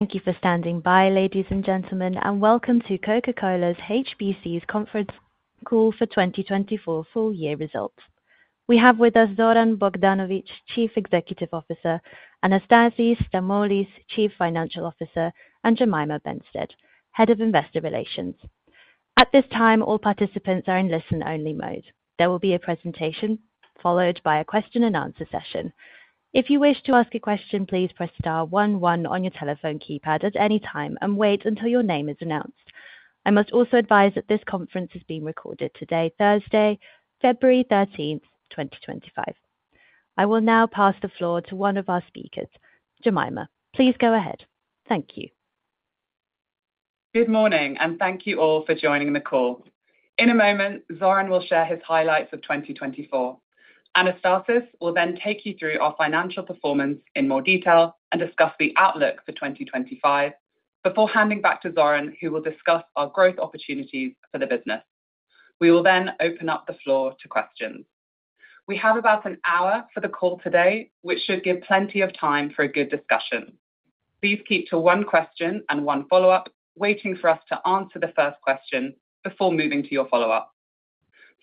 Thank you for standing by, ladies and gentlemen, and welcome to Coca-Cola HBC's Conference Call for 2024 full-year results. We have with us Zoran Bogdanovic, Chief Executive Officer; Anastasis Stamoulis, Chief Financial Officer; and Jemima Benstead, Head of Investor Relations. At this time, all participants are in listen-only mode. There will be a presentation followed by a question-and-answer session. If you wish to ask a question, please press star one one on your telephone keypad at any time and wait until your name is announced. I must also advise that this conference is being recorded today, Thursday, February 13th, 2025. I will now pass the floor to one of our speakers. Jemima, please go ahead. Thank you. Good morning, and thank you all for joining the call. In a moment, Zoran will share his highlights of 2024. Anastasis will then take you through our financial performance in more detail and discuss the outlook for 2025, before handing back to Zoran, who will discuss our growth opportunities for the business. We will then open up the floor to questions. We have about an hour for the call today, which should give plenty of time for a good discussion. Please keep to one question and one follow-up, waiting for us to answer the first question before moving to your follow-up.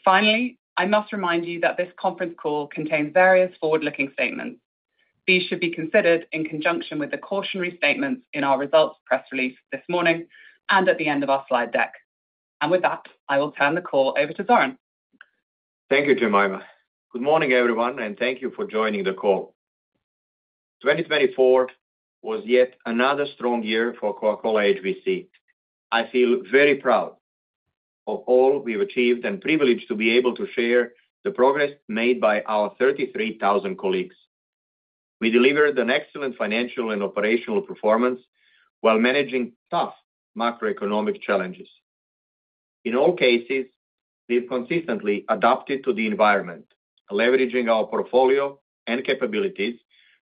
Finally, I must remind you that this conference call contains various forward-looking statements. These should be considered in conjunction with the cautionary statements in our results press release this morning and at the end of our slide deck. With that, I will turn the call over to Zoran. Thank you, Jemima. Good morning, everyone, and thank you for joining the call. 2024 was yet another strong year for Coca-Cola HBC. I feel very proud of all we've achieved and privileged to be able to share the progress made by our 33,000 colleagues. We delivered an excellent financial and operational performance while managing tough macroeconomic challenges. In all cases, we've consistently adapted to the environment, leveraging our portfolio and capabilities,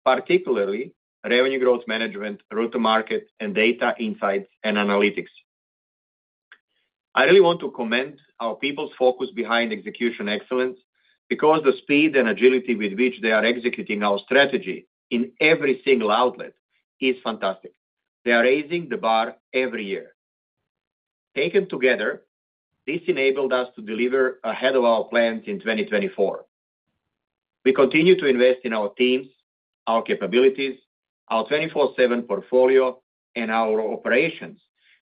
particularly revenue growth management, route to market, and data insights and analytics. I really want to commend our people's focus behind execution excellence because the speed and agility with which they are executing our strategy in every single outlet is fantastic. They are raising the bar every year. Taken together, this enabled us to deliver ahead of our plans in 2024. We continue to invest in our teams, our capabilities, our 24/7 portfolio, and our operations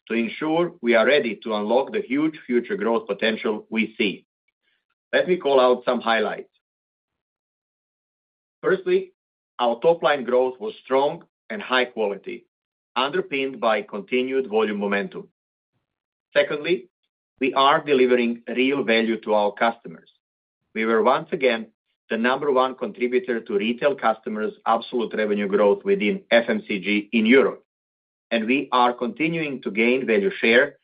to ensure we are ready to unlock the huge future growth potential we see. Let me call out some highlights. Firstly, our top-line growth was strong and high-quality, underpinned by continued volume momentum. Secondly, we are delivering real value to our customers. We were once again the number one contributor to retail customers' absolute revenue growth within FMCG in Europe, and we are continuing to gain value share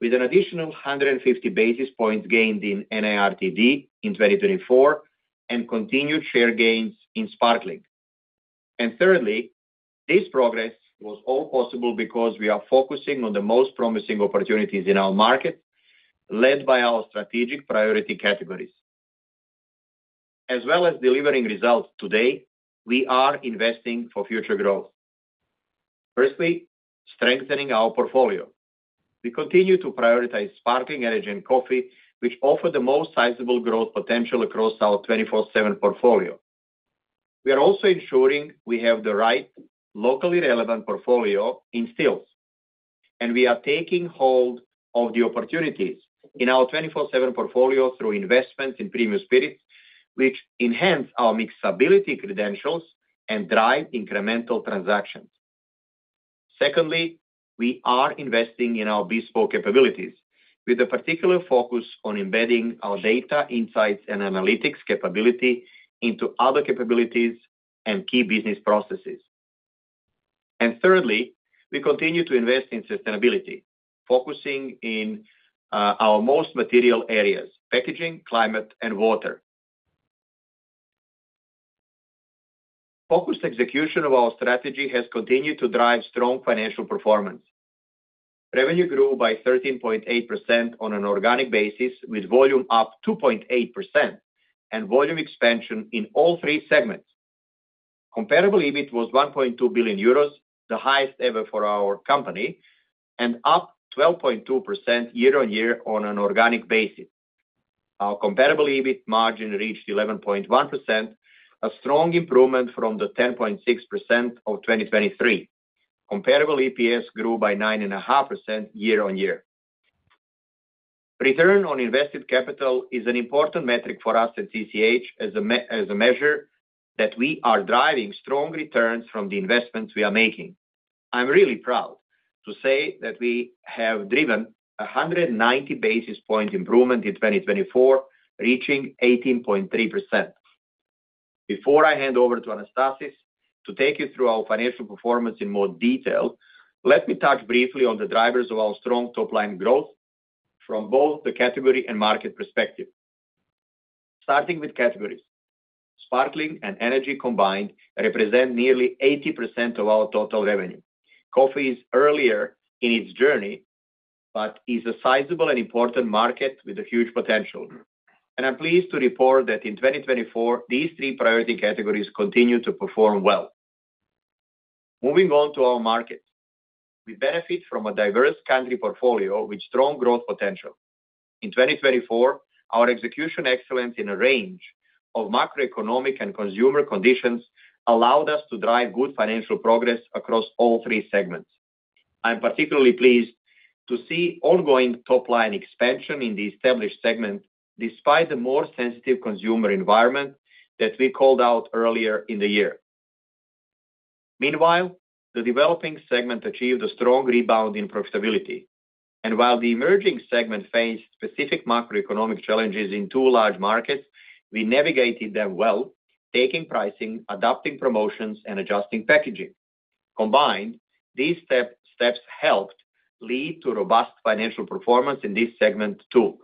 with an additional 150 basis points gained in NARTD in 2024 and continued share gains in sparkling. And thirdly, this progress was all possible because we are focusing on the most promising opportunities in our market, led by our strategic priority categories. As well as delivering results today, we are investing for future growth. Firstly, strengthening our portfolio. We continue to prioritize sparkling energy and coffee, which offer the most sizable growth potential across our 24/7 portfolio. We are also ensuring we have the right locally relevant portfolio in stills, and we are taking hold of the opportunities in our 24/7 portfolio through investments in premium spirits, which enhance our mixability credentials and drive incremental transactions. Secondly, we are investing in our bespoke capabilities, with a particular focus on embedding our data insights and analytics capability into other capabilities and key business processes. And thirdly, we continue to invest in sustainability, focusing in our most material areas: packaging, climate, and water. Focused execution of our strategy has continued to drive strong financial performance. Revenue grew by 13.8% on an organic basis, with volume up 2.8% and volume expansion in all three segments. Comparable EBIT was 1.2 billion euros, the highest ever for our company, and up 12.2% year-on-year on an organic basis. Our comparable EBIT margin reached 11.1%, a strong improvement from the 10.6% of 2023. Comparable EPS grew by 9.5% year-on-year. Return on invested capital is an important metric for us at CCH as a measure that we are driving strong returns from the investments we are making. I'm really proud to say that we have driven a 190 basis point improvement in 2024, reaching 18.3%. Before I hand over to Anastasis to take you through our financial performance in more detail, let me touch briefly on the drivers of our strong top-line growth from both the category and market perspective. Starting with categories, sparkling and energy combined represent nearly 80% of our total revenue. Coffee is earlier in its journey, but it's a sizable and important market with a huge potential. I’m pleased to report that in 2024, these three priority categories continue to perform well. Moving on to our market, we benefit from a diverse country portfolio with strong growth potential. In 2024, our execution excellence in a range of macroeconomic and consumer conditions allowed us to drive good financial progress across all three segments. I'm particularly pleased to see ongoing top-line expansion in the established segment despite the more sensitive consumer environment that we called out earlier in the year. Meanwhile, the developing segment achieved a strong rebound in profitability. While the emerging segment faced specific macroeconomic challenges in two large markets, we navigated them well, taking pricing, adapting promotions, and adjusting packaging. Combined, these steps helped lead to robust financial performance in this segment too.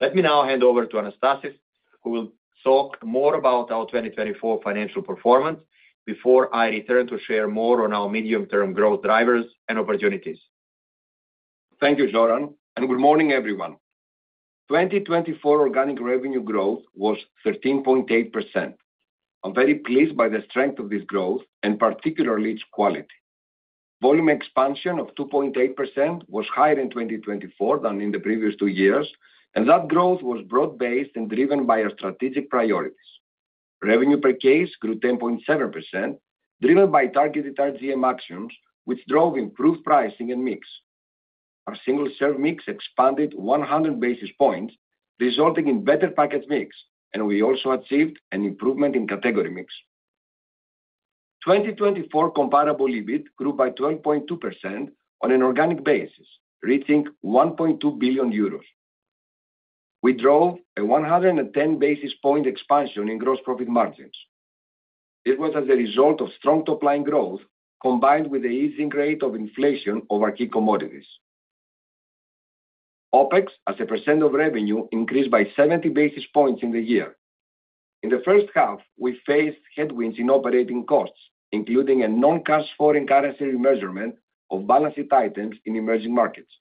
Let me now hand over to Anastasis, who will talk more about our 2024 financial performance before I return to share more on our medium-term growth drivers and opportunities. Thank you, Zoran, and good morning, everyone. 2024 organic revenue growth was 13.8%. I'm very pleased by the strength of this growth and particularly its quality. Volume expansion of 2.8% was higher in 2024 than in the previous two years, and that growth was broad-based and driven by our strategic priorities. Revenue per case grew 10.7%, driven by targeted RGM actions, which drove improved pricing and mix. Our single-serve mix expanded 100 basis points, resulting in better package mix, and we also achieved an improvement in category mix. 2024 comparable EBIT grew by 12.2% on an organic basis, reaching 1.2 billion euros. We drove a 110 basis point expansion in gross profit margins. This was as a result of strong top-line growth combined with the easing rate of inflation over key commodities. OpEx as a percent of revenue increased by 70 basis points in the year. In the first half, we faced headwinds in operating costs, including a non-cash foreign currency remeasurement of balance sheet items in emerging markets.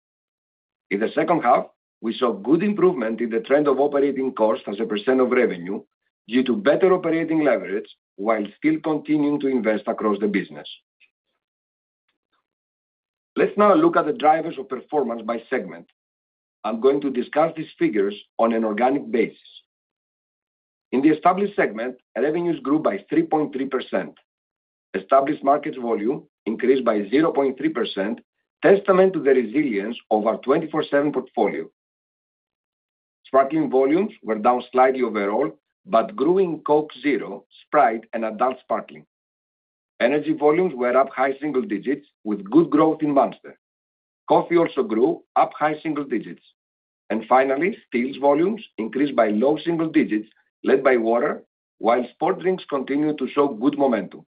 In the second half, we saw good improvement in the trend of operating cost as a percent of revenue due to better operating leverage while still continuing to invest across the business. Let's now look at the drivers of performance by segment. I'm going to discuss these figures on an organic basis. In the established segment, revenues grew by 3.3%. Established markets volume increased by 0.3%, testament to the resilience of our 24/7 portfolio. Sparkling volumes were down slightly overall, but growing Coke Zero, Sprite, and adult sparkling. Energy volumes were up high single digits, with good growth in Monster. Coffee also grew up high single digits. And finally, stills volumes increased by low single digits, led by water, while sports drinks continued to show good momentum.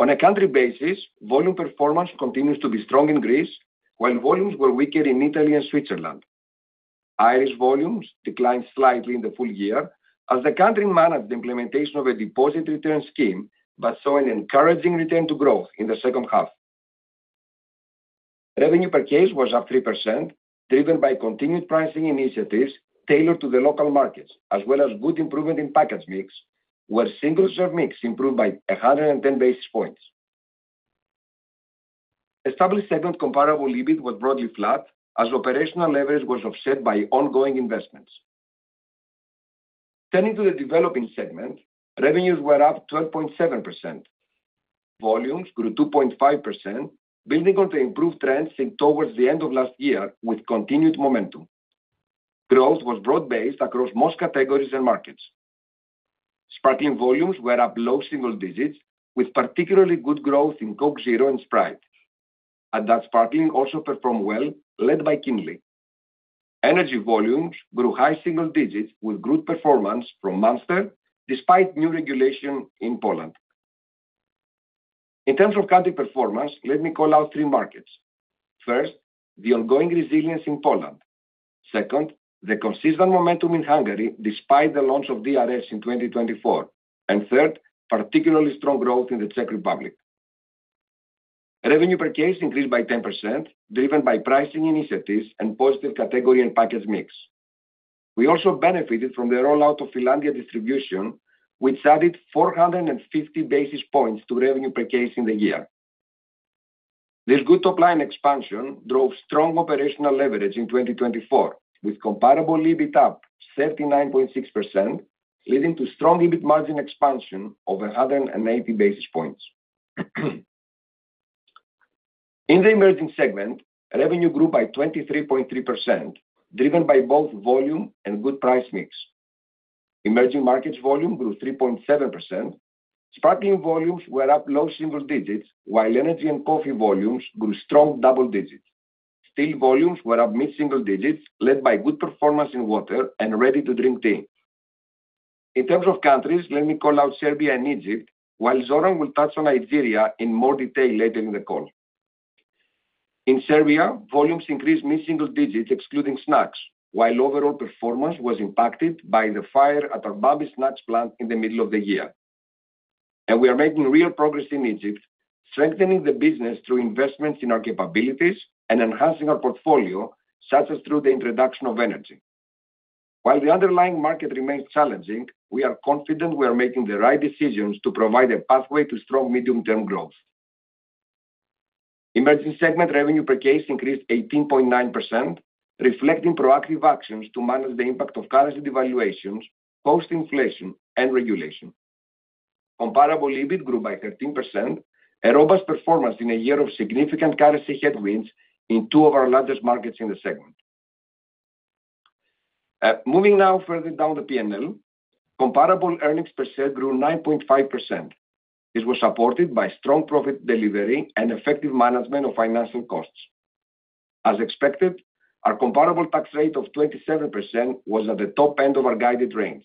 On a country basis, volume performance continues to be strong in Greece, while volumes were weaker in Italy and Switzerland. Irish volumes declined slightly in the full year as the country managed the implementation of a deposit return scheme but saw an encouraging return to growth in the second half. Revenue per case was up 3%, driven by continued pricing initiatives tailored to the local markets, as well as good improvement in package mix, where single-serve mix improved by 110 basis points. Established segment comparable EBIT was broadly flat as operational leverage was offset by ongoing investments. Turning to the developing segment, revenues were up 12.7%. Volumes grew 2.5%, building on the improved trend seen towards the end of last year with continued momentum. Growth was broad-based across most categories and markets. Sparkling volumes were up low single digits, with particularly good growth in Coke Zero and Sprite. Adult sparkling also performed well, led by Kinley. Energy volumes grew high single digits with good performance from Monster, despite new regulation in Poland. In terms of country performance, let me call out three markets. First, the ongoing resilience in Poland. Second, the consistent momentum in Hungary despite the launch of DRSs in 2024. And third, particularly strong growth in the Czech Republic. Revenue per case increased by 10%, driven by pricing initiatives and positive category and package mix. We also benefited from the rollout of Finlandia distribution, which added 450 basis points to revenue per case in the year. This good top-line expansion drove strong operational leverage in 2024, with comparable EBIT up 39.6%, leading to strong EBIT margin expansion of 180 basis points. In the emerging segment, revenue grew by 23.3%, driven by both volume and good price mix. Emerging markets volume grew 3.7%. Sparkling volumes were up low single digits, while energy and coffee volumes grew strong double digits. Stills volumes were up mid-single digits, led by good performance in water and ready-to-drink tea. In terms of countries, let me call out Serbia and Egypt, while Zoran will touch on Nigeria in more detail later in the call. In Serbia, volumes increased mid-single digits, excluding snacks, while overall performance was impacted by the fire at our Bambi snacks plant in the middle of the year. We are making real progress in Egypt, strengthening the business through investments in our capabilities and enhancing our portfolio, such as through the introduction of energy. While the underlying market remains challenging, we are confident we are making the right decisions to provide a pathway to strong medium-term growth. Emerging segment revenue per case increased 18.9%, reflecting proactive actions to manage the impact of currency devaluations post-inflation and regulation. Comparable EBIT grew by 13%, a robust performance in a year of significant currency headwinds in two of our largest markets in the segment. Moving now further down the P&L, comparable earnings per share grew 9.5%. This was supported by strong profit delivery and effective management of financial costs. As expected, our comparable tax rate of 27% was at the top end of our guided range.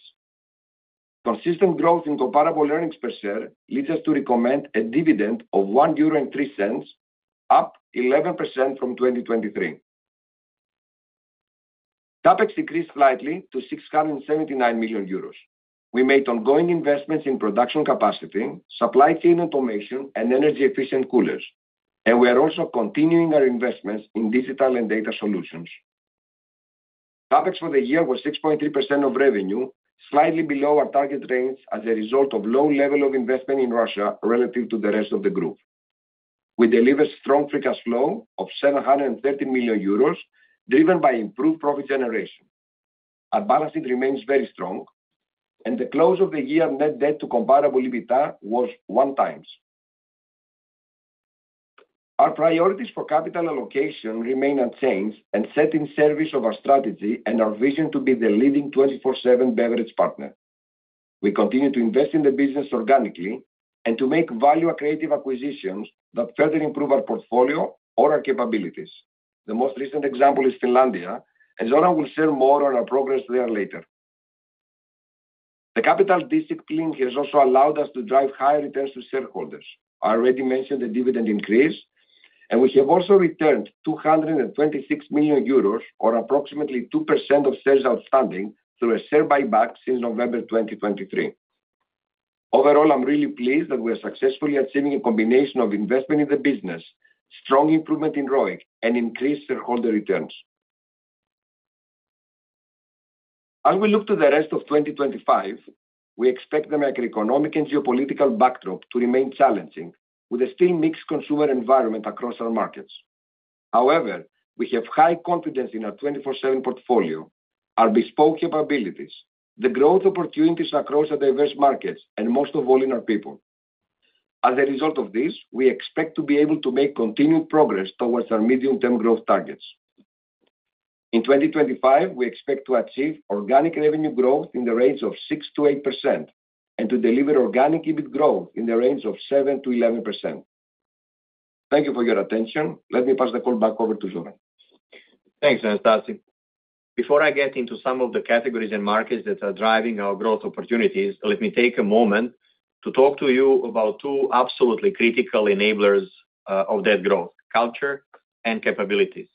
Consistent growth in comparable earnings per share leads us to recommend a dividend of 1.03 euro, up 11% from 2023. CAPEX decreased slightly to 679 million euros. We made ongoing investments in production capacity, supply chain automation, and energy-efficient coolers, and we are also continuing our investments in digital and data solutions. CAPEX for the year was 6.3% of revenue, slightly below our target range as a result of low level of investment in Russia relative to the rest of the group. We delivered strong free cash flow of 730 million euros, driven by improved profit generation. Our balance sheet remains very strong, and the close of the year net debt to comparable EBITDA was 1x. Our priorities for capital allocation remain unchanged and set in service of our strategy and our vision to be the leading 24/7 beverage partner. We continue to invest in the business organically and to make value-accretive acquisitions that further improve our portfolio or our capabilities. The most recent example is Finlandia, and Zoran will share more on our progress there later. The capital discipline has also allowed us to drive higher returns to shareholders. I already mentioned the dividend increase, and we have also returned 226 million euros, or approximately 2% of shares outstanding, through a share buyback since November 2023. Overall, I'm really pleased that we are successfully achieving a combination of investment in the business, strong improvement in ROIC, and increased shareholder returns. As we look to the rest of 2025, we expect the macroeconomic and geopolitical backdrop to remain challenging, with a still mixed consumer environment across our markets. However, we have high confidence in our 24/7 portfolio, our bespoke capabilities, the growth opportunities across our diverse markets, and most of all, in our people. As a result of this, we expect to be able to make continued progress towards our medium-term growth targets. In 2025, we expect to achieve organic revenue growth in the range of 6%-8% and to deliver organic EBIT growth in the range of 7%-11%. Thank you for your attention. Let me pass the call back over to Zoran. Thanks, Anastasis. Before I get into some of the categories and markets that are driving our growth opportunities, let me take a moment to talk to you about two absolutely critical enablers of that growth: culture and capabilities.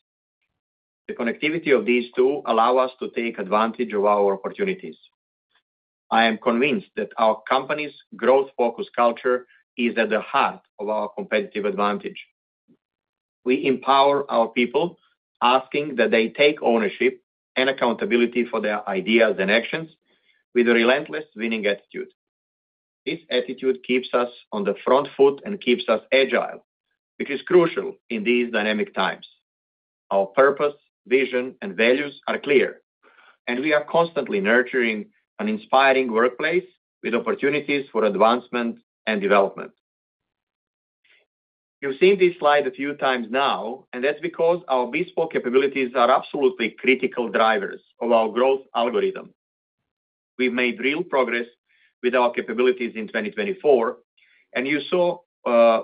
The connectivity of these two allows us to take advantage of our opportunities. I am convinced that our company's growth-focused culture is at the heart of our competitive advantage. We empower our people, asking that they take ownership and accountability for their ideas and actions with a relentless winning attitude. This attitude keeps us on the front foot and keeps us agile, which is crucial in these dynamic times. Our purpose, vision, and values are clear, and we are constantly nurturing an inspiring workplace with opportunities for advancement and development. You've seen this slide a few times now, and that's because our bespoke capabilities are absolutely critical drivers of our growth algorithm. We've made real progress with our capabilities in 2024, and you saw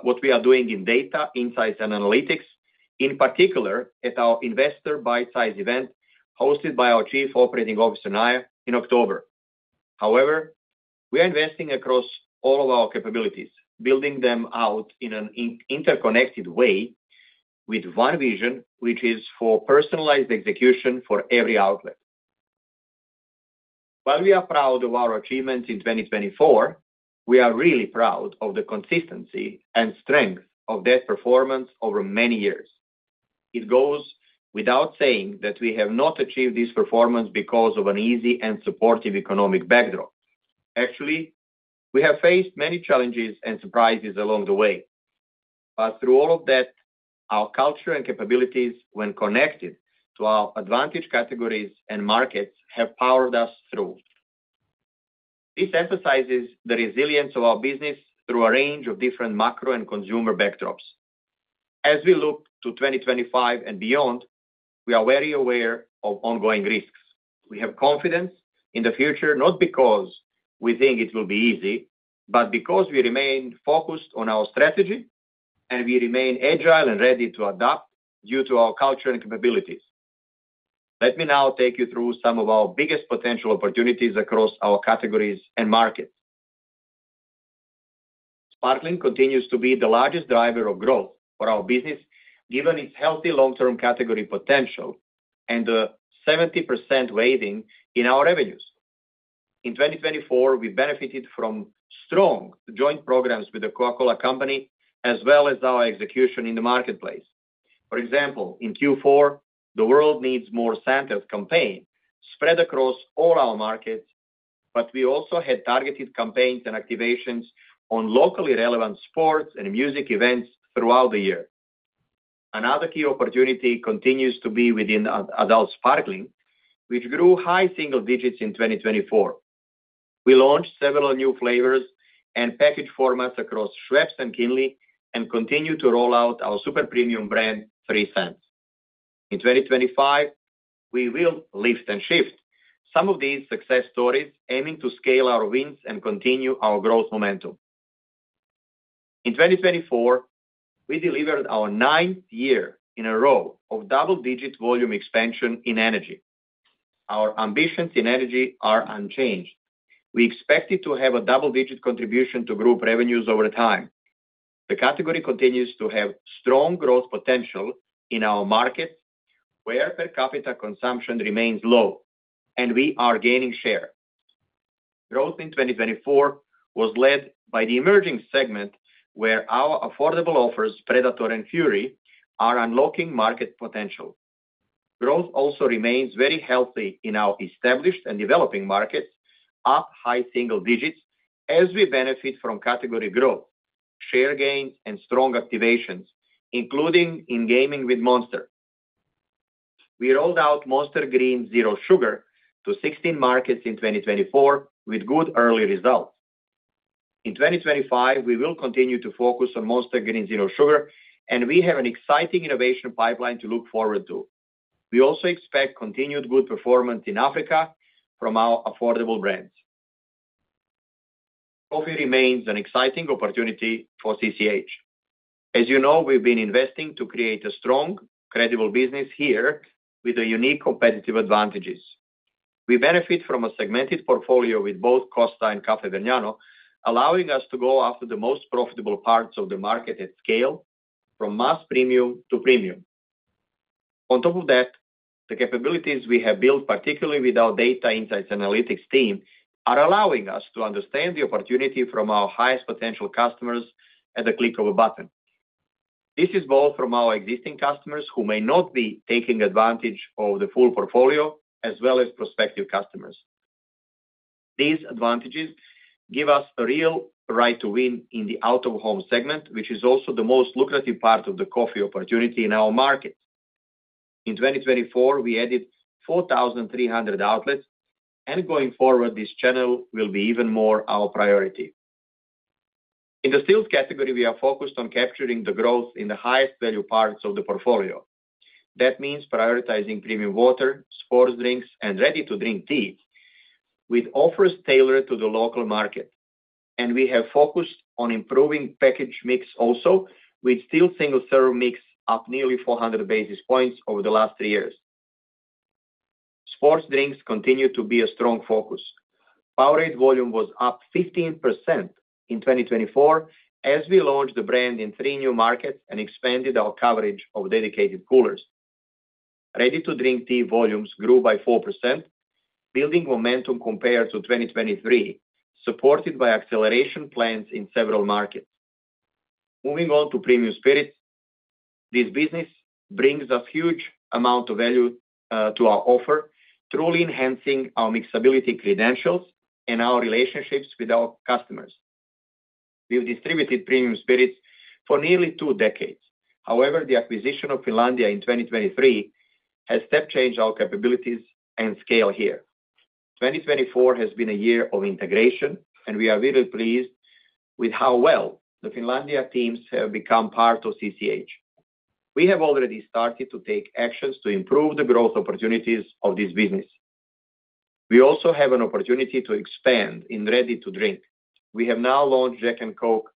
what we are doing in data, insights, and analytics, in particular at our investor buy-side event hosted by our Chief Operating Officer, Naya, in October. However, we are investing across all of our capabilities, building them out in an interconnected way with one vision, which is for personalized execution for every outlet. While we are proud of our achievements in 2024, we are really proud of the consistency and strength of that performance over many years. It goes without saying that we have not achieved this performance because of an easy and supportive economic backdrop. Actually, we have faced many challenges and surprises along the way. But through all of that, our culture and capabilities, when connected to our advantage categories and markets, have powered us through. This emphasizes the resilience of our business through a range of different macro and consumer backdrops. As we look to 2025 and beyond, we are very aware of ongoing risks. We have confidence in the future not because we think it will be easy, but because we remain focused on our strategy, and we remain agile and ready to adapt due to our culture and capabilities. Let me now take you through some of our biggest potential opportunities across our categories and markets. Sparkling continues to be the largest driver of growth for our business, given its healthy long-term category potential and the 70% weighting in our revenues. In 2024, we benefited from strong joint programs with the Coca-Cola Company, as well as our execution in the marketplace. For example, in Q4, the world needs more Share a Coke campaigns spread across all our markets, but we also had targeted campaigns and activations on locally relevant sports and music events throughout the year. Another key opportunity continues to be within adult sparkling, which grew high single digits in 2024. We launched several new flavors and package formats across Schweppes and Kinley, and continue to roll out our super premium brand, Three Cents. In 2025, we will lift and shift some of these success stories, aiming to scale our wins and continue our growth momentum. In 2024, we delivered our ninth year in a row of double-digit volume expansion in energy. Our ambitions in energy are unchanged. We expected to have a double-digit contribution to group revenues over time. The category continues to have strong growth potential in our markets, where per capita consumption remains low, and we are gaining share. Growth in 2024 was led by the emerging segment, where our affordable offers, Predator and Fury, are unlocking market potential. Growth also remains very healthy in our established and developing markets, up high single digits, as we benefit from category growth, share gains, and strong activations, including in gaming with Monster. We rolled out Monster Green Zero Sugar to 16 markets in 2024, with good early results. In 2025, we will continue to focus on Monster Green Zero Sugar, and we have an exciting innovation pipeline to look forward to. We also expect continued good performance in Africa from our affordable brands. Coffee remains an exciting opportunity for CCH. As you know, we've been investing to create a strong, credible business here with unique competitive advantages. We benefit from a segmented portfolio with both Costa and Caffè Vergnano, allowing us to go after the most profitable parts of the market at scale, from mass premium to premium. On top of that, the capabilities we have built, particularly with our data insights analytics team, are allowing us to understand the opportunity from our highest potential customers at the click of a button. This is both from our existing customers, who may not be taking advantage of the full portfolio, as well as prospective customers. These advantages give us a real right to win in the out-of-home segment, which is also the most lucrative part of the coffee opportunity in our market. In 2024, we added 4,300 outlets, and going forward, this channel will be even more our priority. In the stills category, we are focused on capturing the growth in the highest value parts of the portfolio. That means prioritizing premium water, sports drinks, and ready-to-drink tea, with offers tailored to the local market, and we have focused on improving package mix also, with stills single-serve mix up nearly 400 basis points over the last three years. Sports drinks continue to be a strong focus. Powerade volume was up 15% in 2024, as we launched the brand in three new markets and expanded our coverage of dedicated coolers. Ready-to-drink tea volumes grew by 4%, building momentum compared to 2023, supported by acceleration plans in several markets. Moving on to premium spirits, this business brings a huge amount of value to our offer, truly enhancing our mixability credentials and our relationships with our customers. We've distributed premium spirits for nearly two decades. However, the acquisition of Finlandia in 2023 has step-changed our capabilities and scale here. 2024 has been a year of integration, and we are really pleased with how well the Finlandia teams have become part of CCH. We have already started to take actions to improve the growth opportunities of this business. We also have an opportunity to expand in ready-to-drink. We have now launched Jack and Coke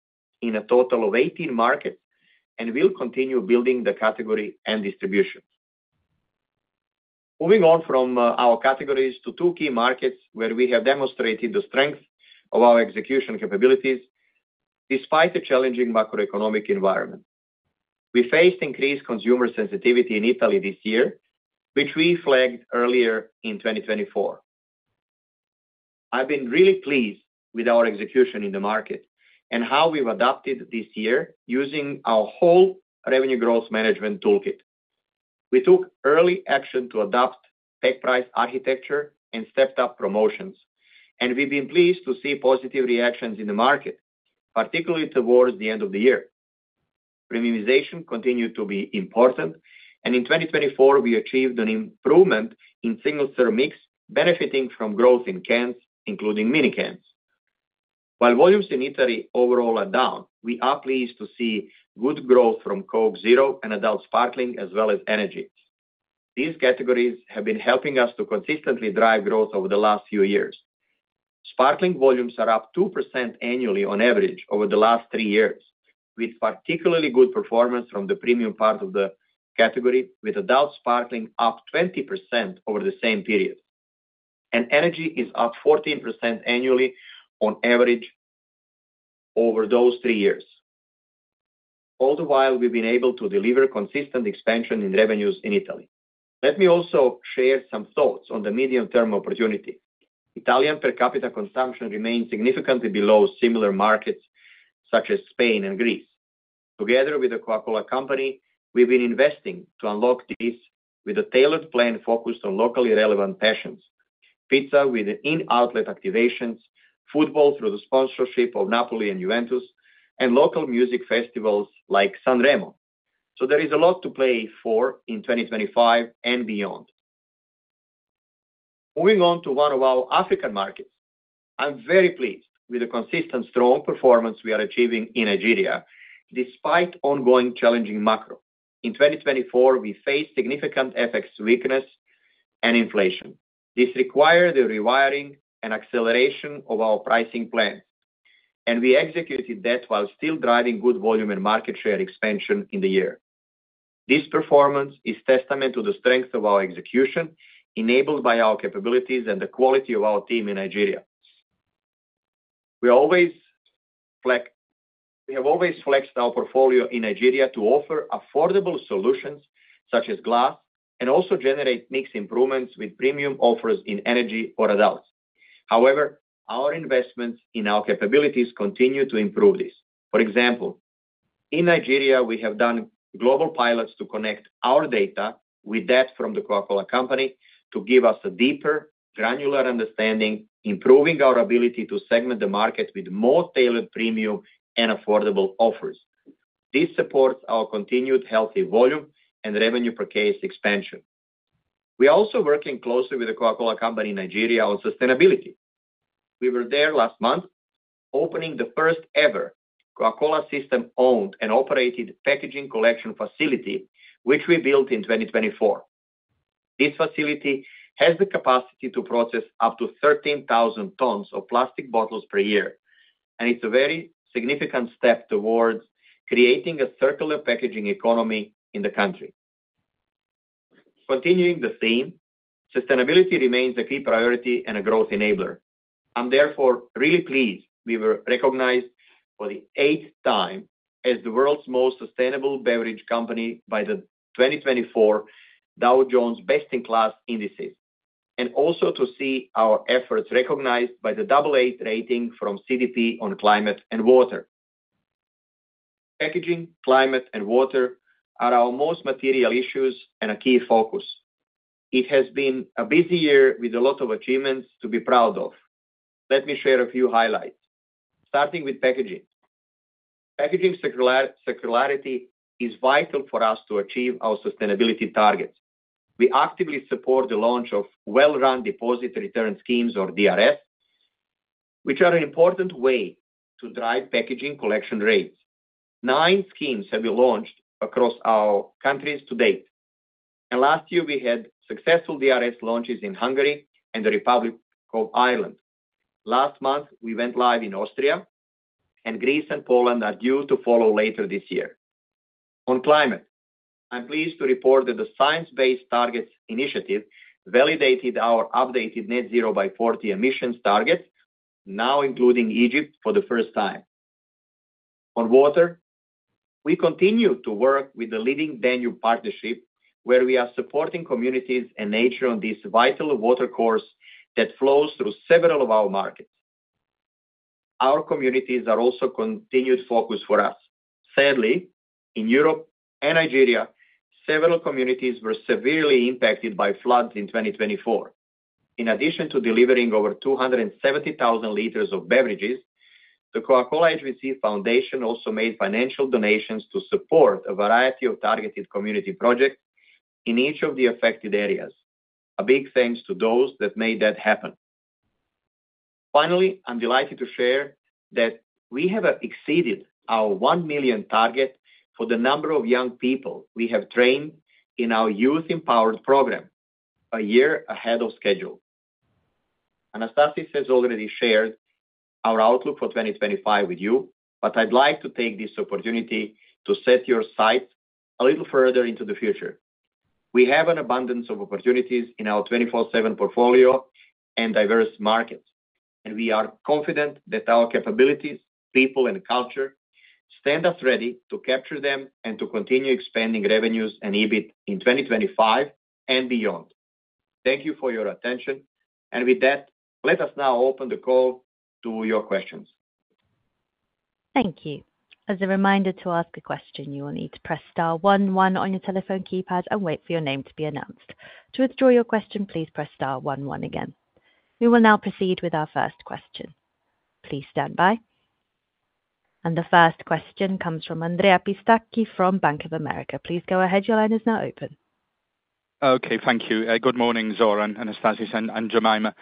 in a total of 18 markets and will continue building the category and distribution. Moving on from our categories to two key markets where we have demonstrated the strength of our execution capabilities, despite the challenging macroeconomic environment. We faced increased consumer sensitivity in Italy this year, which we flagged earlier in 2024. I've been really pleased with our execution in the market and how we've adapted this year using our whole revenue growth management toolkit. We took early action to adopt pack-price architecture and stepped-up promotions, and we've been pleased to see positive reactions in the market, particularly towards the end of the year. Premiumization continued to be important, and in 2024, we achieved an improvement in single-serve mix, benefiting from growth in cans, including mini cans. While volumes in Italy overall are down, we are pleased to see good growth from Coke Zero and adult sparkling, as well as energy. These categories have been helping us to consistently drive growth over the last few years. Sparkling volumes are up 2% annually on average over the last three years, with particularly good performance from the premium part of the category, with adult sparkling up 20% over the same period, and energy is up 14% annually on average over those three years. All the while, we've been able to deliver consistent expansion in revenues in Italy. Let me also share some thoughts on the medium-term opportunity. Italian per capita consumption remains significantly below similar markets such as Spain and Greece. Together with The Coca-Cola Company, we've been investing to unlock this with a tailored plan focused on locally relevant passions: pizza with in-outlet activations, football through the sponsorship of Napoli and Juventus, and local music festivals like Sanremo. So there is a lot to play for in 2025 and beyond. Moving on to one of our African markets, I'm very pleased with the consistent strong performance we are achieving in Nigeria, despite ongoing challenging macro. In 2024, we faced significant FX weakness and inflation. This required the rewiring and acceleration of our pricing plan, and we executed that while still driving good volume and market share expansion in the year. This performance is testament to the strength of our execution, enabled by our capabilities and the quality of our team in Nigeria. We have always flexed our portfolio in Nigeria to offer affordable solutions such as glass and also generate mixed improvements with premium offers in energy or adults. However, our investments in our capabilities continue to improve this. For example, in Nigeria, we have done global pilots to connect our data with that from The Coca-Cola Company to give us a deeper, granular understanding, improving our ability to segment the market with more tailored premium and affordable offers. This supports our continued healthy volume and revenue per case expansion. We are also working closely with The Coca-Cola Company in Nigeria on sustainability. We were there last month, opening the first-ever Coca-Cola system-owned and operated packaging collection facility, which we built in 2024. This facility has the capacity to process up to 13,000 tons of plastic bottles per year, and it's a very significant step towards creating a circular packaging economy in the country. Continuing the theme, sustainability remains a key priority and a growth enabler. I'm therefore really pleased we were recognized for the eighth time as the world's most sustainable beverage company by the 2024 Dow Jones Best in Class indices, and also to see our efforts recognized by the double-A rating from CDP on climate and water. Packaging, climate, and water are our most material issues and a key focus. It has been a busy year with a lot of achievements to be proud of. Let me share a few highlights, starting with packaging. Packaging circularity is vital for us to achieve our sustainability targets. We actively support the launch of well-run deposit return schemes, or DRS, which are an important way to drive packaging collection rates. Nine schemes have been launched across our countries to date. And last year, we had successful DRS launches in Hungary and the Republic of Ireland. Last month, we went live in Austria, and Greece and Poland are due to follow later this year. On climate, I'm pleased to report that the Science Based Targets initiative validated our updated net zero by 2040 emissions targets, now including Egypt for the first time. On water, we continue to work with the WWF partnership, where we are supporting communities and nature on this vital water course that flows through several of our markets. Our communities are also a continued focus for us. Sadly, in Europe and Nigeria, several communities were severely impacted by floods in 2024. In addition to delivering over 270,000 L of beverages, the Coca-Cola HBC Foundation also made financial donations to support a variety of targeted community projects in each of the affected areas. A big thanks to those that made that happen. Finally, I'm delighted to share that we have exceeded our 1 million target for the number of young people we have trained in our Youth Empowered program, a year ahead of schedule. Anastasis has already shared our outlook for 2025 with you, but I'd like to take this opportunity to set your sights a little further into the future. We have an abundance of opportunities in our 24/7 portfolio and diverse markets, and we are confident that our capabilities, people, and culture stand us ready to capture them and to continue expanding revenues and EBIT in 2025 and beyond. Thank you for your attention, and with that, let us now open the call to your questions. Thank you. As a reminder to ask a question, you will need to press star one one on your telephone keypad and wait for your name to be announced. To withdraw your question, please press star one one again. We will now proceed with our first question. Please stand by, and the first question comes from Andrea Pistacchi from Bank of America. Please go ahead. Your line is now open. Okay, thank you. Good morning, Zoran, Anastasis, and Jemima.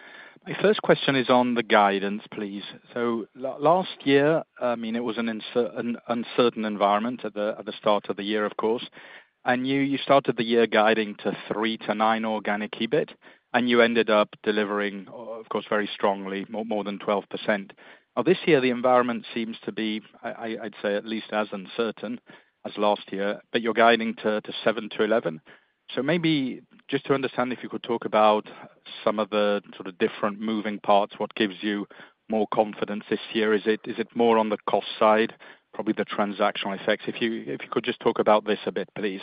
My first question is on the guidance, please. So last year, I mean, it was an uncertain environment at the start of the year, of course. And you started the year guiding to 3%-9% organic EBIT, and you ended up delivering, of course, very strongly, more than 12%. Now, this year, the environment seems to be, I'd say, at least as uncertain as last year, but you're guiding to 7%-11%. So maybe just to understand if you could talk about some of the sort of different moving parts, what gives you more confidence this year? Is it more on the cost side, probably the transactional effects? If you could just talk about this a bit, please.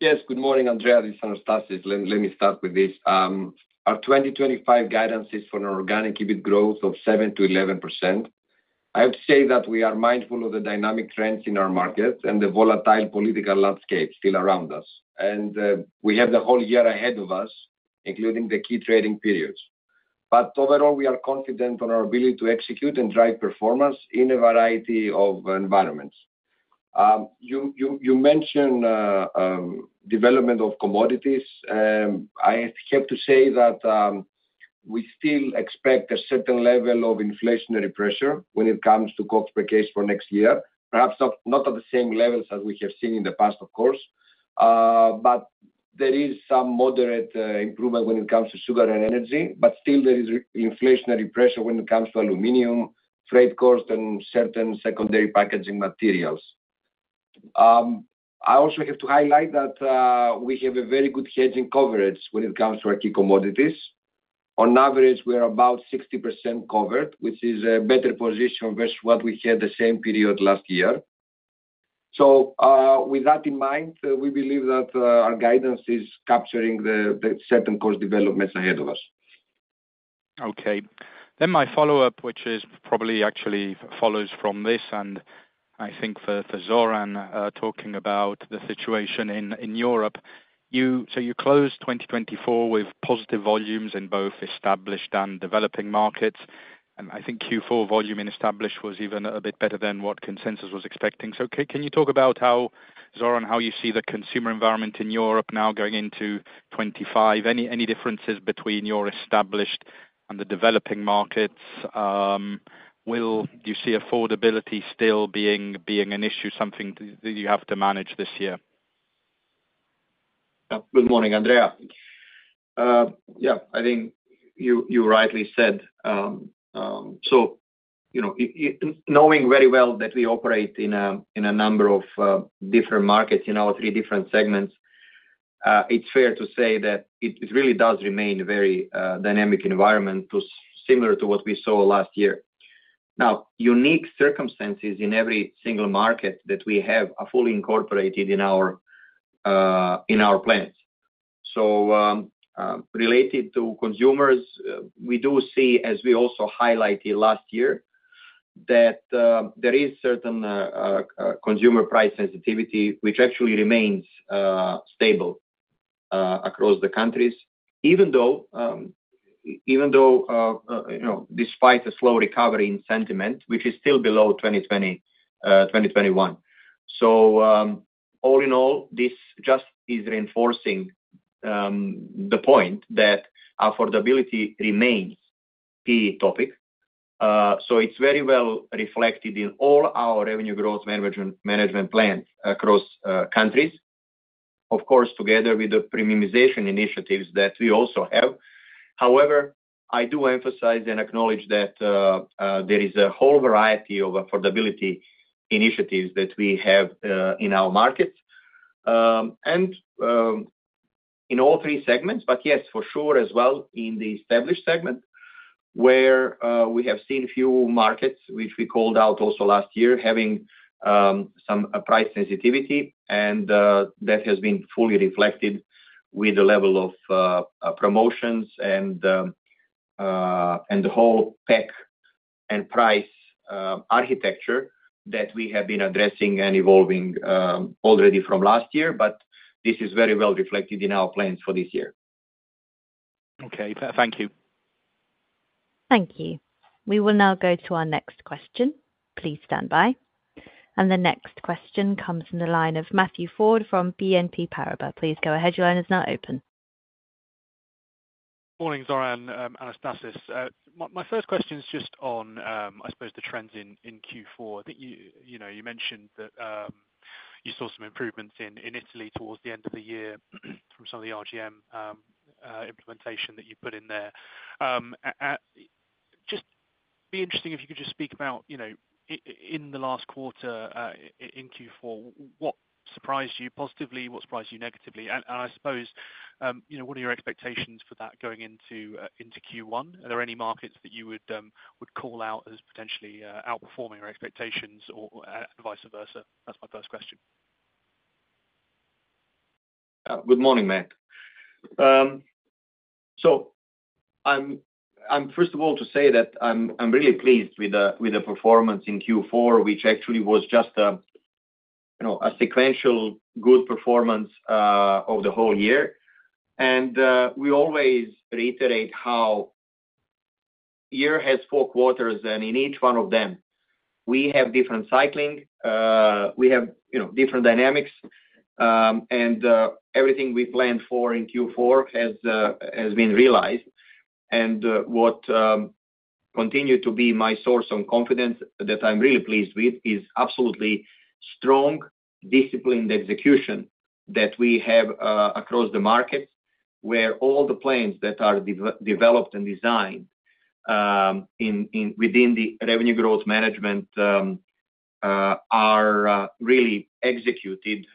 Yes, good morning, Andrea and Anastasis. Let me start with this. Our 2025 guidance is for an organic EBIT growth of 7%-11%. I would say that we are mindful of the dynamic trends in our markets and the volatile political landscape still around us. And we have the whole year ahead of us, including the key trading periods. But overall, we are confident on our ability to execute and drive performance in a variety of environments. You mentioned development of commodities. I have to say that we still expect a certain level of inflationary pressure when it comes to cost per case for next year. Perhaps not at the same levels as we have seen in the past, of course. But there is some moderate improvement when it comes to sugar and energy. But still, there is inflationary pressure when it comes to aluminum, freight cost, and certain secondary packaging materials. I also have to highlight that we have a very good hedging coverage when it comes to our key commodities. On average, we are about 60% covered, which is a better position versus what we had the same period last year. So with that in mind, we believe that our guidance is capturing the current course developments ahead of us. Okay. Then, my follow-up, which is probably actually follows from this, and I think for Zoran talking about the situation in Europe. So, you closed 2024 with positive volumes in both established and developing markets. And I think Q4 volume in established was even a bit better than what consensus was expecting. So, can you talk about how, Zoran, how you see the consumer environment in Europe now going into 2025? Any differences between your established and the developing markets? Do you see affordability still being an issue, something that you have to manage this year? Good morning, Andrea. Yeah, I think you rightly said. So, knowing very well that we operate in a number of different markets in our three different segments, it's fair to say that it really does remain a very dynamic environment similar to what we saw last year. Now, unique circumstances in every single market that we have are fully incorporated in our plans. So related to consumers, we do see, as we also highlighted last year, that there is certain consumer price sensitivity, which actually remains stable across the countries, even though despite a slow recovery in sentiment, which is still below 2020, 2021. So all in all, this just is reinforcing the point that affordability remains a key topic. So it's very well reflected in all our revenue growth management plans across countries, of course, together with the premiumization initiatives that we also have. However, I do emphasize and acknowledge that there is a whole variety of affordability initiatives that we have in our markets and in all three segments. But yes, for sure as well in the established segment, where we have seen a few markets, which we called out also last year, having some price sensitivity. And that has been fully reflected with the level of promotions and the whole pack-price architecture that we have been addressing and evolving already from last year. But this is very well reflected in our plans for this year. Okay, thank you. Thank you. We will now go to our next question. Please stand by. And the next question comes from the line of Matthew Ford from BNP Paribas. Please go ahead. Your line is now open. Morning, Zoran, Anastasis. My first question is just on, I suppose, the trends in Q4. I think you mentioned that you saw some improvements in Italy towards the end of the year from some of the RGM implementation that you put in there. would be interesting if you could just speak about, in the last quarter in Q4, what surprised you positively, what surprised you negatively? And I suppose what are your expectations for that going into Q1? Are there any markets that you would call out as potentially outperforming your expectations or vice versa? That's my first question. Good morning, Matt. So I'm, first of all, to say that I'm really pleased with the performance in Q4, which actually was just a sequential good performance over the whole year. And we always reiterate how a year has four quarters, and in each one of them, we have different cycling. We have different dynamics, and everything we planned for in Q4 has been realized. And what continued to be my source of confidence that I'm really pleased with is absolutely strong, disciplined execution that we have across the markets, where all the plans that are developed and designed within the revenue growth management are really executed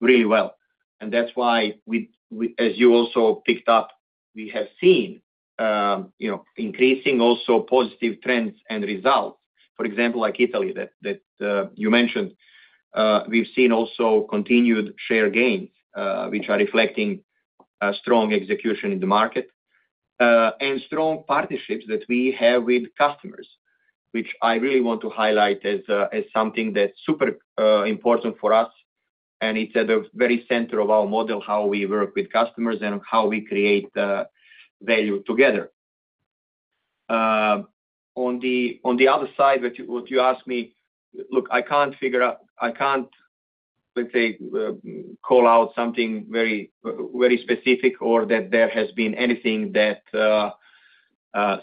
really well. And that's why, as you also picked up, we have seen increasing also positive trends and results. For example, like Italy that you mentioned, we've seen also continued share gains, which are reflecting strong execution in the market and strong partnerships that we have with customers, which I really want to highlight as something that's super important for us. And it's at the very center of our model, how we work with customers and how we create value together. On the other side, what you asked me, look, I can't figure out, let's say, call out something very specific or that there has been anything that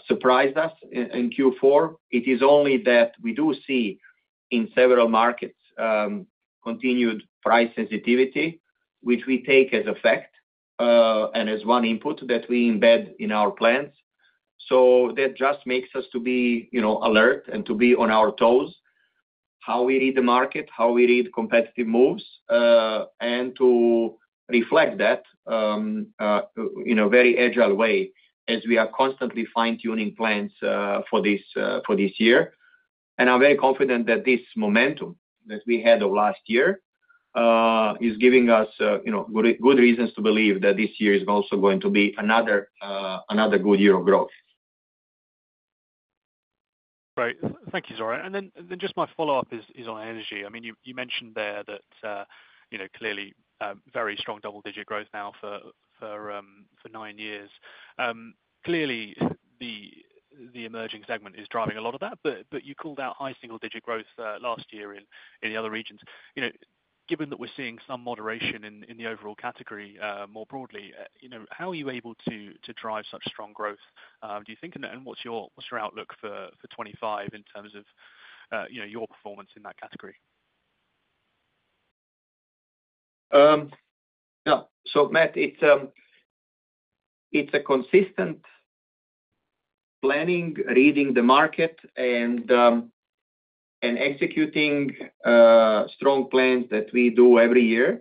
surprised us in Q4. It is only that we do see in several markets continued price sensitivity, which we take as a fact and as one input that we embed in our plans. So that just makes us to be alert and to be on our toes, how we read the market, how we read competitive moves, and to reflect that in a very agile way as we are constantly fine-tuning plans for this year. And I'm very confident that this momentum that we had last year is giving us good reasons to believe that this year is also going to be another good year of growth. Great. Thank you, Zoran. And then just my follow-up is on energy. I mean, you mentioned there that clearly very strong double-digit growth now for nine years. Clearly, the emerging segment is driving a lot of that, but you called out high single-digit growth last year in the other regions. Given that we're seeing some moderation in the overall category more broadly, how are you able to drive such strong growth, do you think? And what's your outlook for 2025 in terms of your performance in that category? Yeah. So, Matt, it's a consistent planning, reading the market, and executing strong plans that we do every year,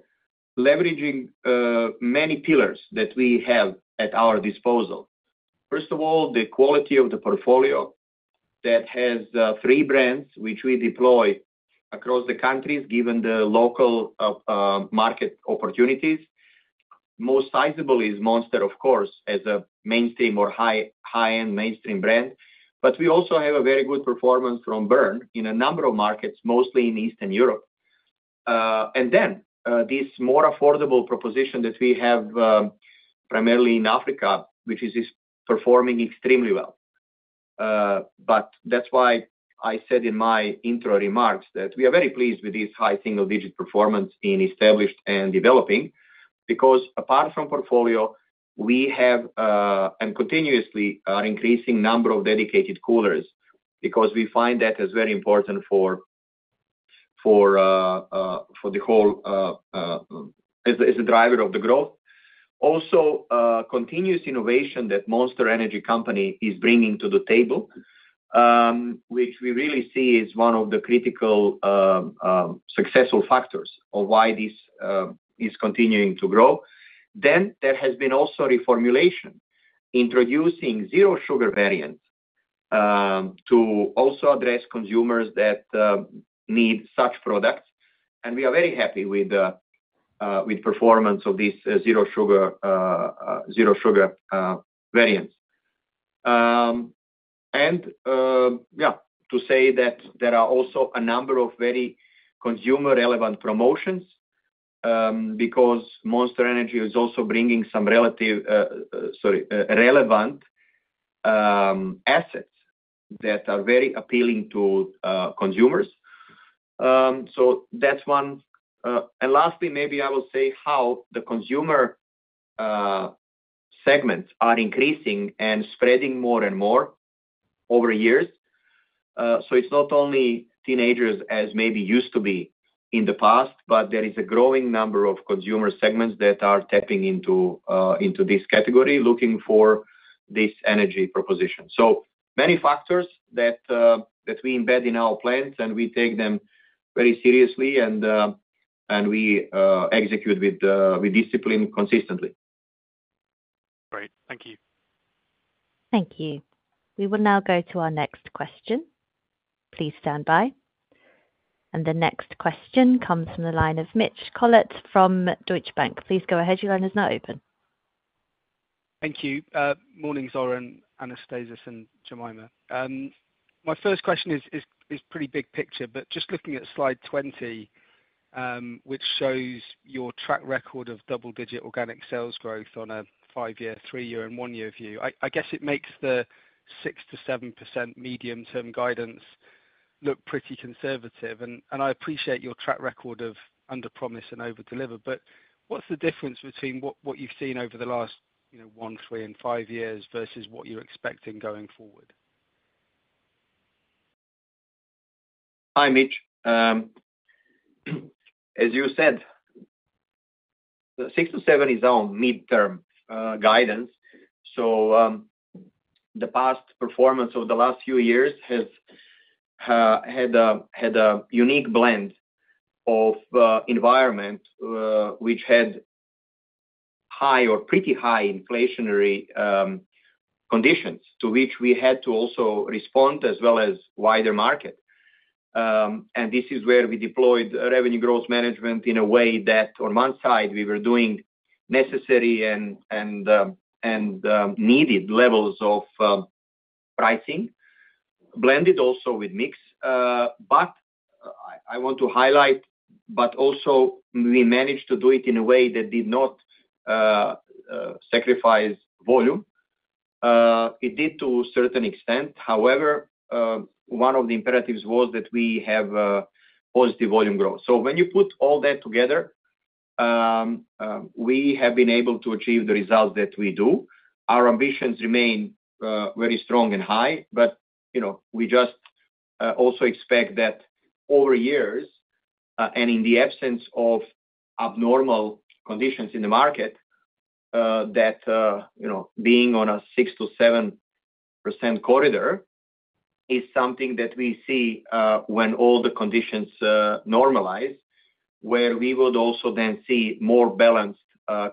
leveraging many pillars that we have at our disposal. First of all, the quality of the portfolio that has three brands which we deploy across the countries given the local market opportunities. Most sizable is Monster, of course, as a mainstream or high-end mainstream brand. But we also have a very good performance from Burn in a number of markets, mostly in Eastern Europe. And then this more affordable proposition that we have primarily in Africa, which is performing extremely well. But that's why I said in my intro remarks that we are very pleased with this high single-digit performance in established and developing because apart from portfolio, we have and continuously are increasing number of dedicated coolers because we find that as very important for the whole as a driver of the growth. Also, continuous innovation that Monster Energy Company is bringing to the table, which we really see is one of the critical successful factors of why this is continuing to grow. Then there has been also reformulation, introducing zero sugar variants to also address consumers that need such products. And we are very happy with performance of these zero sugar variants. Yeah, to say that there are also a number of very consumer-relevant promotions because Monster Energy is also bringing some relative, sorry, relevant assets that are very appealing to consumers. So that's one. And lastly, maybe I will say how the consumer segments are increasing and spreading more and more over years. So it's not only teenagers as maybe used to be in the past, but there is a growing number of consumer segments that are tapping into this category looking for this energy proposition. So many factors that we embed in our plans and we take them very seriously and we execute with discipline consistently. Great. Thank you. Thank you. We will now go to our next question. Please stand by. And the next question comes from the line of Mitch Collett from Deutsche Bank. Please go ahead. Your line is now open. Thank you. Morning, Zoran, Anastasis, and Jemima. My first question is pretty big picture, but just looking at slide 20, which shows your track record of double-digit organic sales growth on a five-year, three-year, and one-year view, I guess it makes the 6%-7% medium-term guidance look pretty conservative. And I appreciate your track record of under-promise and over-deliver, but what's the difference between what you've seen over the last one, three, and five years versus what you're expecting going forward? Hi, Mitch. As you said, the 6%-7% is our mid-term guidance. So the past performance of the last few years has had a unique blend of environment which had high or pretty high inflationary conditions to which we had to also respond as well as wider market. This is where we deployed revenue growth management in a way that on one side, we were doing necessary and needed levels of pricing, blended also with mix. But I want to highlight, but also we managed to do it in a way that did not sacrifice volume. It did to a certain extent. However, one of the imperatives was that we have positive volume growth. So when you put all that together, we have been able to achieve the results that we do. Our ambitions remain very strong and high, but we just also expect that over years and in the absence of abnormal conditions in the market, that being on a 6%-7% corridor is something that we see when all the conditions normalize, where we would also then see more balanced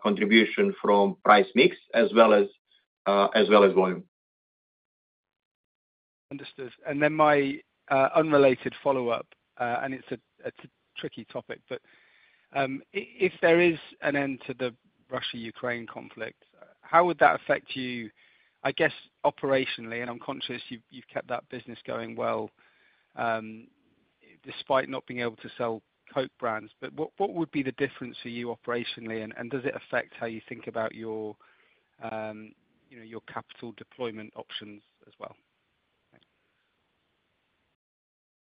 contribution from price mix as well as volume. Understood. Then my unrelated follow-up, and it's a tricky topic, but if there is an end to the Russia-Ukraine conflict, how would that affect you, I guess, operationally? And I'm conscious you've kept that business going well despite not being able to sell Coke brands, but what would be the difference for you operationally? And does it affect how you think about your capital deployment options as well?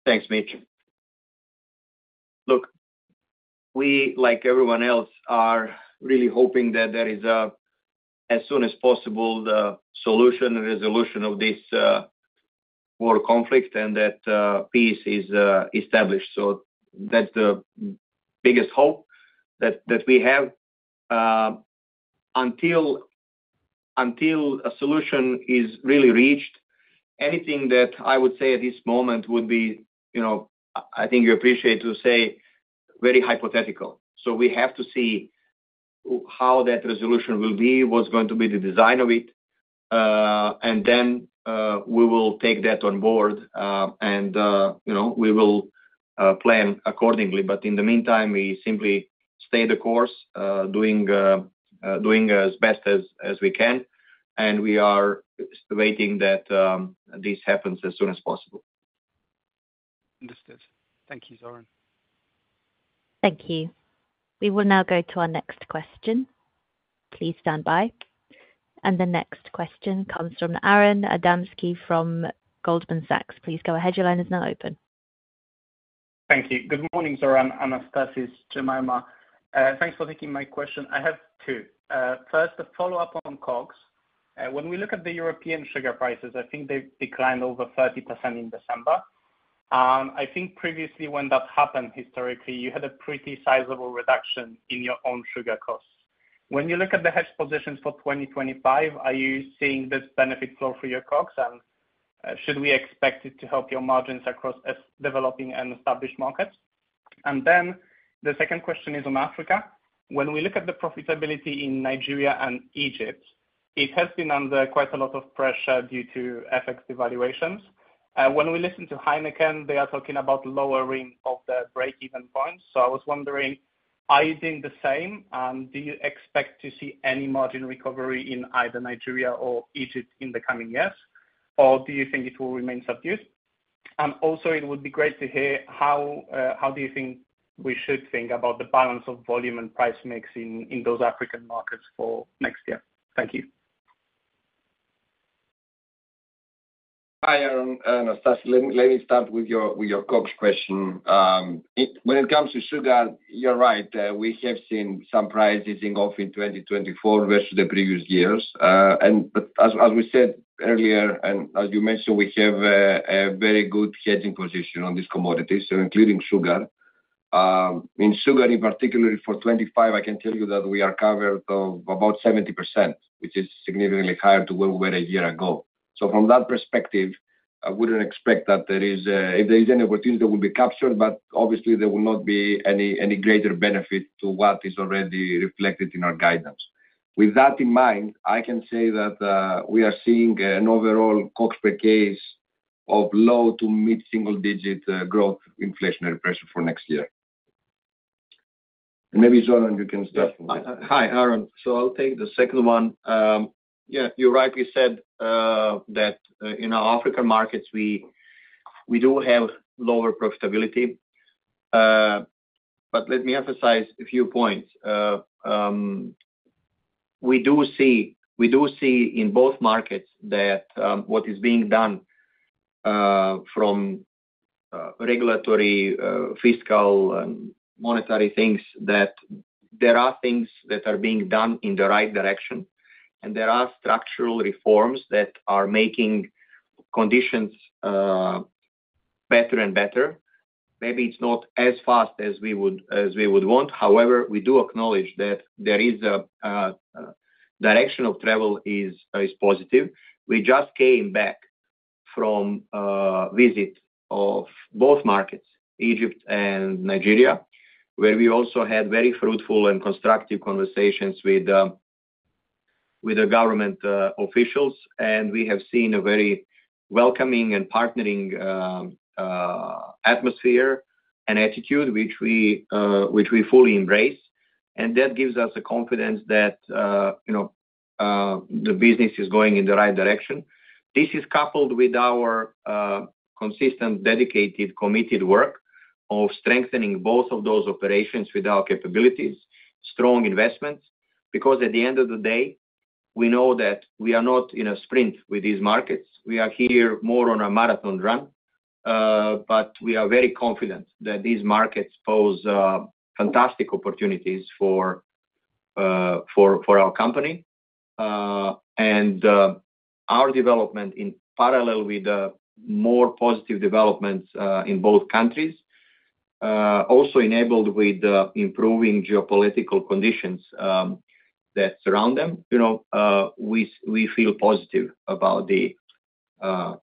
Thanks, Mitch. Look, we, like everyone else, are really hoping that there is, as soon as possible, the solution and resolution of this war conflict and that peace is established. So that's the biggest hope that we have. Until a solution is really reached, anything that I would say at this moment would be, I think you appreciate to say, very hypothetical. So we have to see how that resolution will be, what's going to be the design of it, and then we will take that on board, and we will plan accordingly. But in the meantime, we simply stay the course, doing as best as we can, and we are waiting that this happens as soon as possible. Understood. Thank you, Zoran. Thank you. We will now go to our next question. Please stand by, and the next question comes from Aaron Adamski from Goldman Sachs. Please go ahead. Your line is now open. Thank you. Good morning, Zoran, Anastasis, Jemima. Thanks for taking my question. I have two. First, a follow-up on COGS. When we look at the European sugar prices, I think they've declined over 30% in December. I think previously when that happened, historically, you had a pretty sizable reduction in your own sugar costs. When you look at the hedge positions for 2025, are you seeing this benefit flow for your COGS, and should we expect it to help your margins across developing and established markets? And then the second question is on Africa. When we look at the profitability in Nigeria and Egypt, it has been under quite a lot of pressure due to FX devaluations. When we listen to Heineken, they are talking about lowering of the break-even points. So I was wondering, are you seeing the same, and do you expect to see any margin recovery in either Nigeria or Egypt in the coming years, or do you think it will remain subdued? And also, it would be great to hear how do you think we should think about the balance of volume and price mix in those African markets for next year. Thank you. Hi, Aaron, Anastasis. Let me start with your COGS question. When it comes to sugar, you're right. We have seen some prices in Gulf in 2024 versus the previous years. And as we said earlier, and as you mentioned, we have a very good hedging position on these commodities, including sugar. In sugar, in particular, for 2025, I can tell you that we are covered of about 70%, which is significantly higher to where we were a year ago. So from that perspective, I wouldn't expect that there is, if there is any opportunity, that will be captured, but obviously, there will not be any greater benefit to what is already reflected in our guidance. With that in mind, I can say that we are seeing an overall COGS per case of low to mid-single-digit growth inflationary pressure for next year. And maybe, Zoran, you can start from there. Hi, Aaron. So I'll take the second one. Yeah, you rightly said that in our African markets, we do have lower profitability. But let me emphasize a few points. We do see in both markets that what is being done from regulatory, fiscal, and monetary things, that there are things that are being done in the right direction, and there are structural reforms that are making conditions better and better. Maybe it's not as fast as we would want. However, we do acknowledge that there is a direction of travel is positive. We just came back from a visit of both markets, Egypt and Nigeria, where we also had very fruitful and constructive conversations with the government officials, and we have seen a very welcoming and partnering atmosphere and attitude, which we fully embrace. And that gives us a confidence that the business is going in the right direction. This is coupled with our consistent, dedicated, committed work of strengthening both of those operations with our capabilities, strong investments, because at the end of the day, we know that we are not in a sprint with these markets. We are here more on a marathon run, but we are very confident that these markets pose fantastic opportunities for our company. Our development, in parallel with more positive developments in both countries, also enabled with improving geopolitical conditions that surround them, we feel positive about the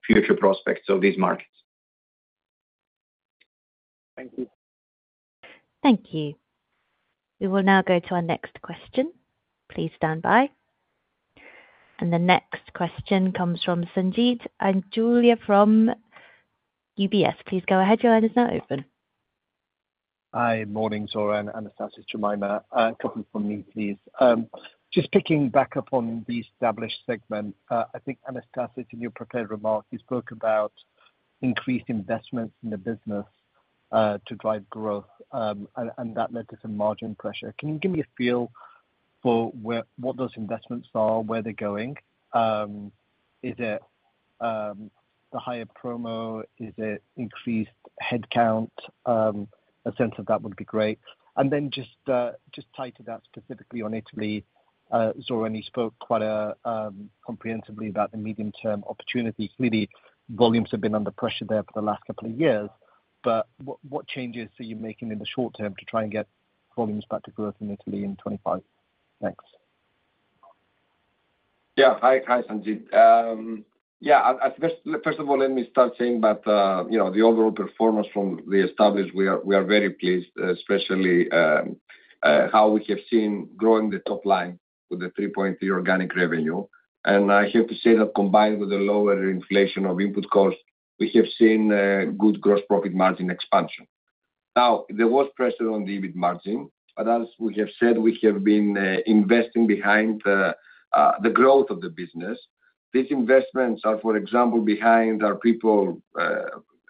future prospects of these markets. Thank you. Thank you. We will now go to our next question. Please stand by. The next question comes from Sanjeet and Julia from UBS. Please go ahead. Your line is now open. Hi, morning, Zoran, Anastasis, Jemima. A couple from me, please. Just picking back up on the established segment, I think Anastasis, in your prepared remarks, you spoke about increased investments in the business to drive growth, and that led to some margin pressure. Can you give me a feel for what those investments are, where they're going? Is it the higher promo? Is it increased headcount? A sense of that would be great. And then just tied to that specifically on Italy, Zoran, you spoke quite comprehensively about the medium-term opportunity. Clearly, volumes have been under pressure there for the last couple of years. But what changes are you making in the short term to try and get volumes back to growth in Italy in 2025? Thanks. Yeah. Hi, Sanjeet. Yeah. First of all, let me start saying that the overall performance from the established markets, we are very pleased, especially how we have seen growing the top line with the 3.3 organic revenue. And I have to say that combined with the lower inflation of input costs, we have seen good gross profit margin expansion. Now, there was pressure on the EBIT margin, but as we have said, we have been investing behind the growth of the business. These investments are, for example, behind our people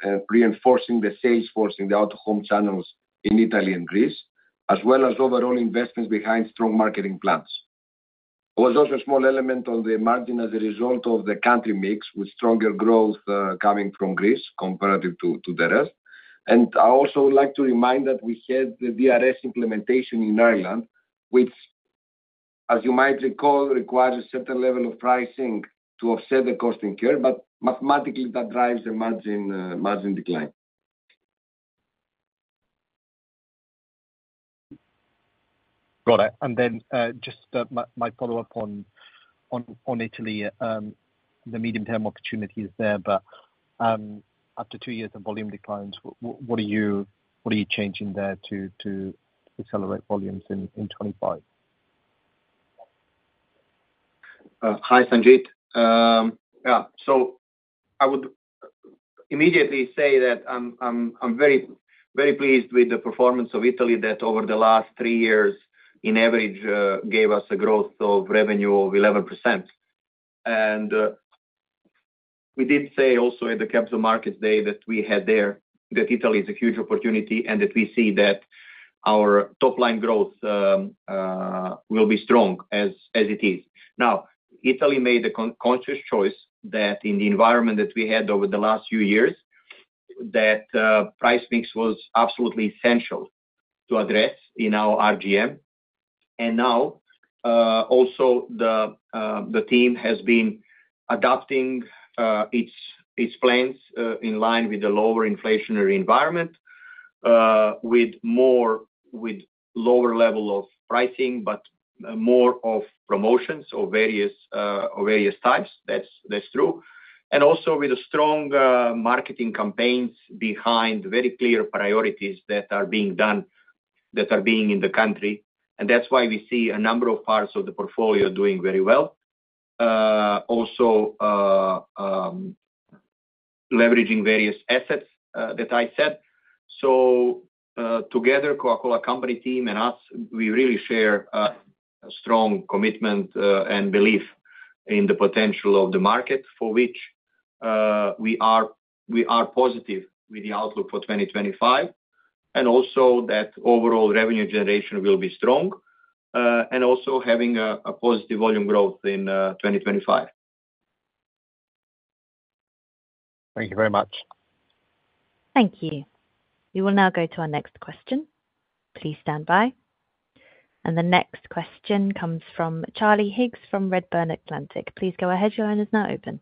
and reinforcing the sales force in the out-of-home channels in Italy and Greece, as well as overall investments behind strong marketing plans. There was also a small element on the margin as a result of the country mix with stronger growth coming from Greece compared to the rest. And I also would like to remind that we had the DRS implementation in Ireland, which, as you might recall, requires a certain level of pricing to offset the cost incurred, but mathematically, that drives the margin decline. Got it. And then just my follow-up on Italy, the medium-term opportunities there, but after two years of volume declines, what are you changing there to accelerate volumes in 2025? Hi, Sanjeet. Yeah. So I would immediately say that I'm very pleased with the performance of Italy that over the last three years, on average, gave us a growth of revenue of 11%. And we did say also at the Capital Markets Day that we had there that Italy is a huge opportunity and that we see that our top-line growth will be strong as it is. Now, Italy made a conscious choice that in the environment that we had over the last few years, that price mix was absolutely essential to address in our RGM. And now, also, the team has been adapting its plans in line with the lower inflationary environment, with lower level of pricing, but more of promotions of various types. That's true. And also with strong marketing campaigns behind very clear priorities that are being done in the country. And that's why we see a number of parts of the portfolio doing very well, also leveraging various assets that I said. Together, Coca-Cola Company team and us, we really share a strong commitment and belief in the potential of the market for which we are positive with the outlook for 2025, and also that overall revenue generation will be strong, and also having a positive volume growth in 2025. Thank you very much. Thank you. We will now go to our next question. Please stand by. The next question comes from Charlie Higgs from Redburn Atlantic. Please go ahead. Your line is now open.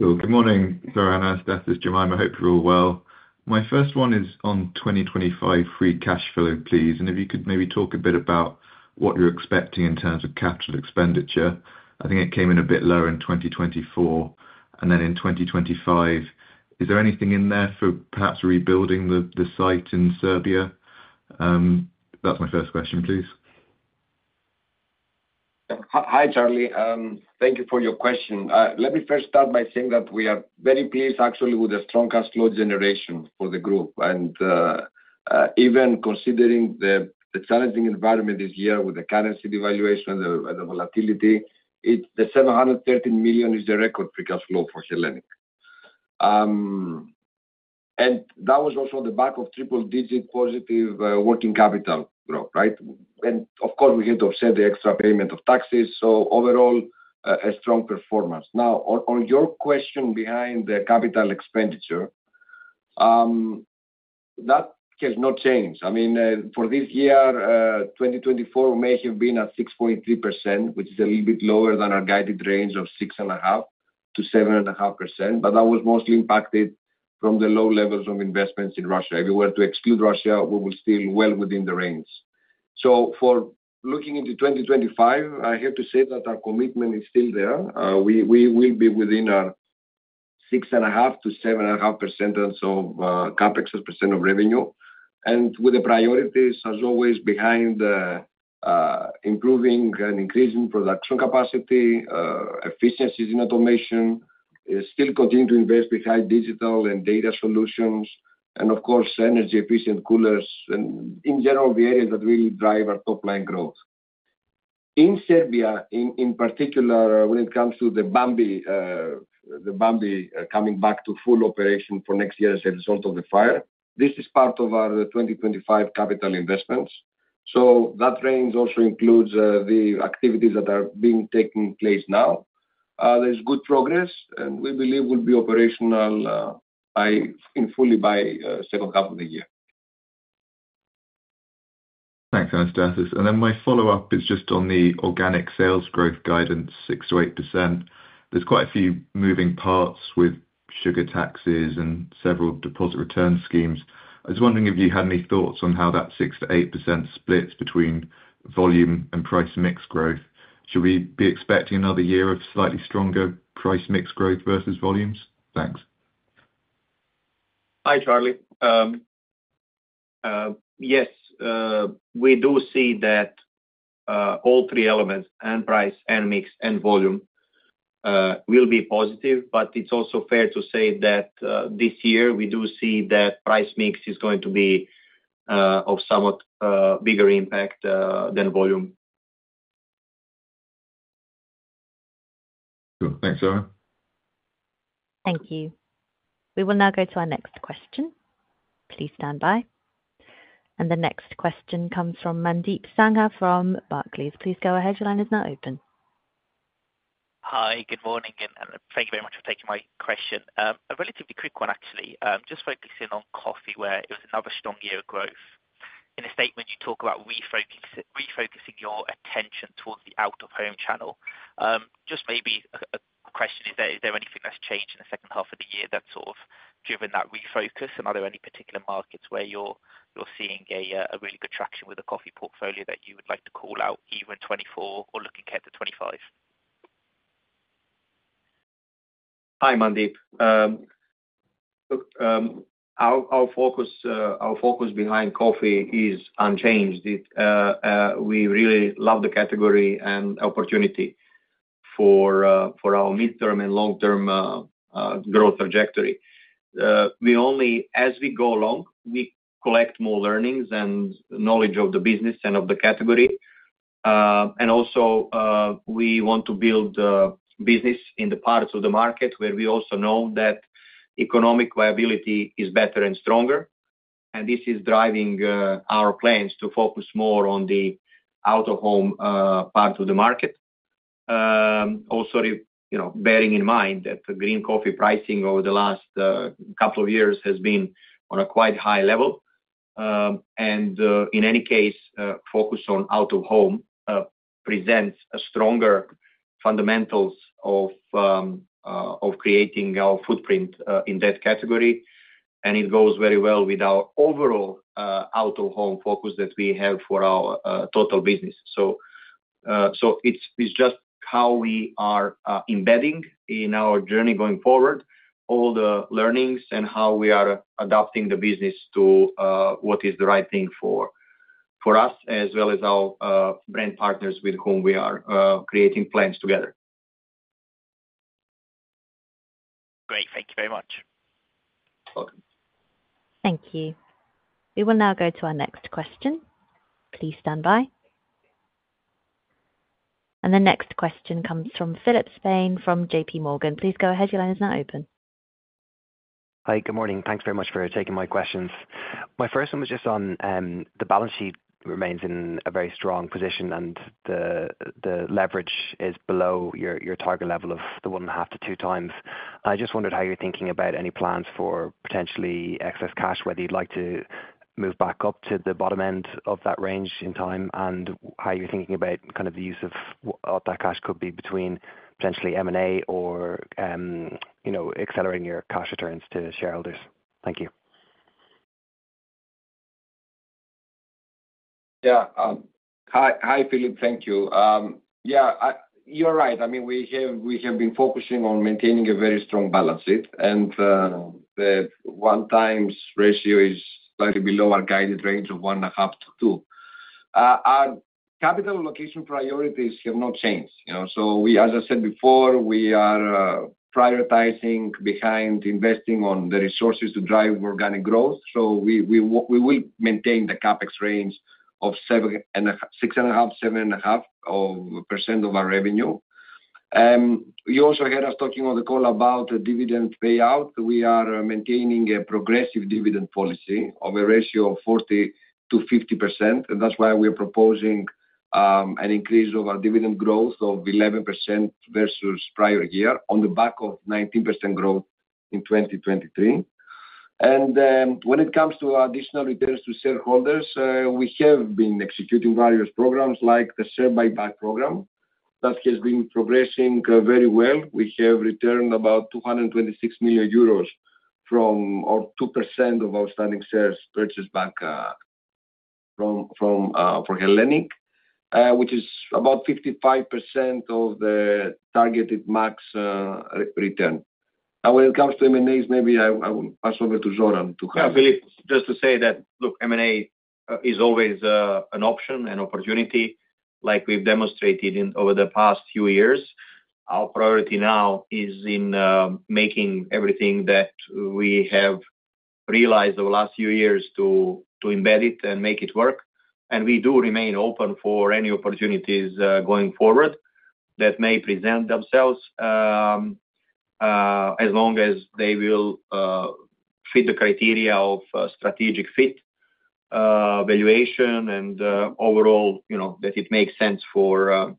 Good morning, Zoran, Anastasis, Jemima. Hope you're all well. My first one is on 2025 free cash flow, please. If you could maybe talk a bit about what you're expecting in terms of capital expenditure. I think it came in a bit lower in 2024. In 2025, is there anything in there for perhaps rebuilding the site in Serbia? That's my first question, please. Hi, Charlie. Thank you for your question. Let me first start by saying that we are very pleased, actually, with the strong cash flow generation for the group. And even considering the challenging environment this year with the currency devaluation and the volatility, 713 million is the record free cash flow for Hellenic. And that was also on the back of triple-digit positive working capital growth, right? And of course, we had to offset the extra payment of taxes. So overall, a strong performance. Now, on your question behind the capital expenditure, that has not changed. I mean, for this year, 2024 may have been at 6.3%, which is a little bit lower than our guided range of 6.5%-7.5%, but that was mostly impacted from the low levels of investments in Russia. If we were to exclude Russia, we were still well within the range, so for looking into 2025, I have to say that our commitment is still there. We will be within our 6.5%-7.5% of CapEx percent of revenue, and with the priorities, as always, behind improving and increasing production capacity, efficiencies in automation, still continue to invest behind digital and data solutions, and of course, energy-efficient coolers, and in general, the areas that really drive our top-line growth. In Serbia, in particular, when it comes to the Bambi coming back to full operation for next year as a result of the fire, this is part of our 2025 capital investments, so that range also includes the activities that are being taken place now. There's good progress, and we believe we'll be operational fully by the second half of the year. Thanks, Anastasis. And then my follow-up is just on the organic sales growth guidance, 6%-8%. There's quite a few moving parts with sugar taxes and several deposit return schemes. I was wondering if you had any thoughts on how that 6%-8% splits between volume and price mix growth. Should we be expecting another year of slightly stronger price mix growth versus volumes? Thanks. Hi, Charlie. Yes, we do see that all three elements, price, mix, and volume, will be positive. But it's also fair to say that this year, we do see that price mix is going to be of somewhat bigger impact than volume. Good. Thanks, Zoran. Thank you. We will now go to our next question. Please stand by. And the next question comes from Mandeep Sangha from Barclays. Please go ahead. Your line is now open. Hi, good morning. Thank you very much for taking my question. A relatively quick one, actually. Just focusing on coffee, where it was another strong year of growth. In a statement, you talk about refocusing your attention towards the out-of-home channel. Just maybe a question: is there anything that's changed in the second half of the year that's sort of driven that refocus? And are there any particular markets where you're seeing a really good traction with a coffee portfolio that you would like to call out, either in 2024 or looking ahead to 2025? Hi, Mandeep. Look, our focus behind coffee is unchanged. We really love the category and opportunity for our midterm and long-term growth trajectory. As we go along, we collect more learnings and knowledge of the business and of the category. And also, we want to build business in the parts of the market where we also know that economic viability is better and stronger. And this is driving our plans to focus more on the out-of-home part of the market. Also, bearing in mind that green coffee pricing over the last couple of years has been on a quite high level. And in any case, focus on out-of-home presents stronger fundamentals of creating our footprint in that category. And it goes very well with our overall out-of-home focus that we have for our total business. So it's just how we are embedding in our journey going forward, all the learnings, and how we are adapting the business to what is the right thing for us, as well as our brand partners with whom we are creating plans together. Great. Thank you very much. Welcome. Thank you. We will now go to our next question. Please stand by, and the next question comes from Philip Spain from JPMorgan. Please go ahead. Your line is now open. Hi, good morning. Thanks very much for taking my questions. My first one was just on the balance sheet remains in a very strong position, and the leverage is below your target level of the 1.5x-2x. I just wondered how you're thinking about any plans for potentially excess cash, whether you'd like to move back up to the bottom end of that range in time, and how you're thinking about kind of the use of what that cash could be between potentially M&A or accelerating your cash returns to shareholders. Thank you. Yeah. Hi, Philip. Thank you. Yeah, you're right. I mean, we have been focusing on maintaining a very strong balance sheet, and the 1x ratio is slightly below our guided range of 1.5x to 2x. Our capital allocation priorities have not changed. So as I said before, we are prioritizing behind investing on the resources to drive organic growth. So we will maintain the CapEx range of 6.5%-7.5% of our revenue. You also heard us talking on the call about dividend payout. We are maintaining a progressive dividend policy of a ratio of 40%-50%. And that's why we are proposing an increase of our dividend growth of 11% versus prior year on the back of 19% growth in 2023. And when it comes to additional returns to shareholders, we have been executing various programs like the share buyback program that has been progressing very well. We have returned about 226 million euros from our 2% of outstanding shares purchased back from Hellenic, which is about 55% of the targeted max return. Now, when it comes to M&A, maybe I will pass over to Zoran to have. Yeah, Philip, just to say that, look, M&A is always an option, an opportunity, like we've demonstrated over the past few years. Our priority now is in making everything that we have realized over the last few years to embed it and make it work. And we do remain open for any opportunities going forward that may present themselves as long as they will fit the criteria of strategic fit, valuation, and overall that it makes sense for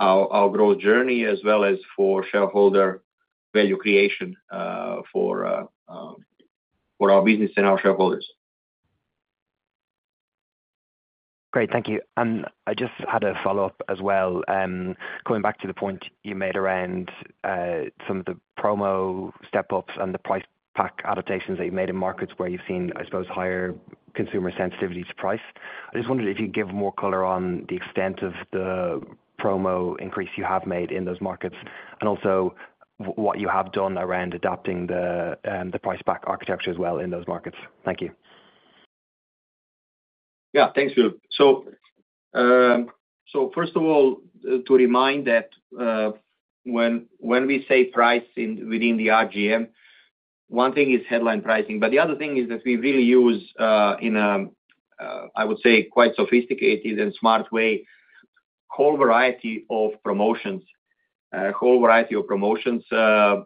our growth journey as well as for shareholder value creation for our business and our shareholders. Great. Thank you. And I just had a follow-up as well. Coming back to the point you made around some of the promo step-ups and the price pack adaptations that you've made in markets where you've seen, I suppose, higher consumer sensitivity to price. I just wondered if you could give more color on the extent of the promo increase you have made in those markets and also what you have done around adapting the price-pack architecture as well in those markets. Thank you. Yeah, thanks, Philip. So first of all, to remind that when we say price within the RGM, one thing is headline pricing, but the other thing is that we really use, in a, I would say, quite sophisticated and smart way, a whole variety of promotions, a whole variety of promotions,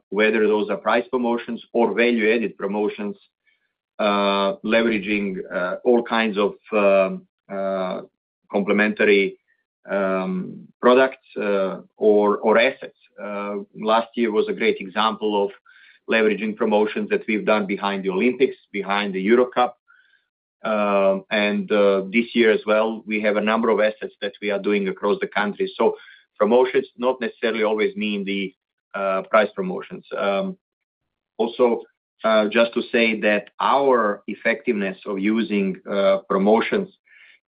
whether those are price promotions or value-added promotions, leveraging all kinds of complementary products or assets. Last year was a great example of leveraging promotions that we've done behind the Olympics, behind the EuroCup, and this year as well, we have a number of assets that we are doing across the country, so promotions not necessarily always mean the price promotions. Also, just to say that our effectiveness of using promotions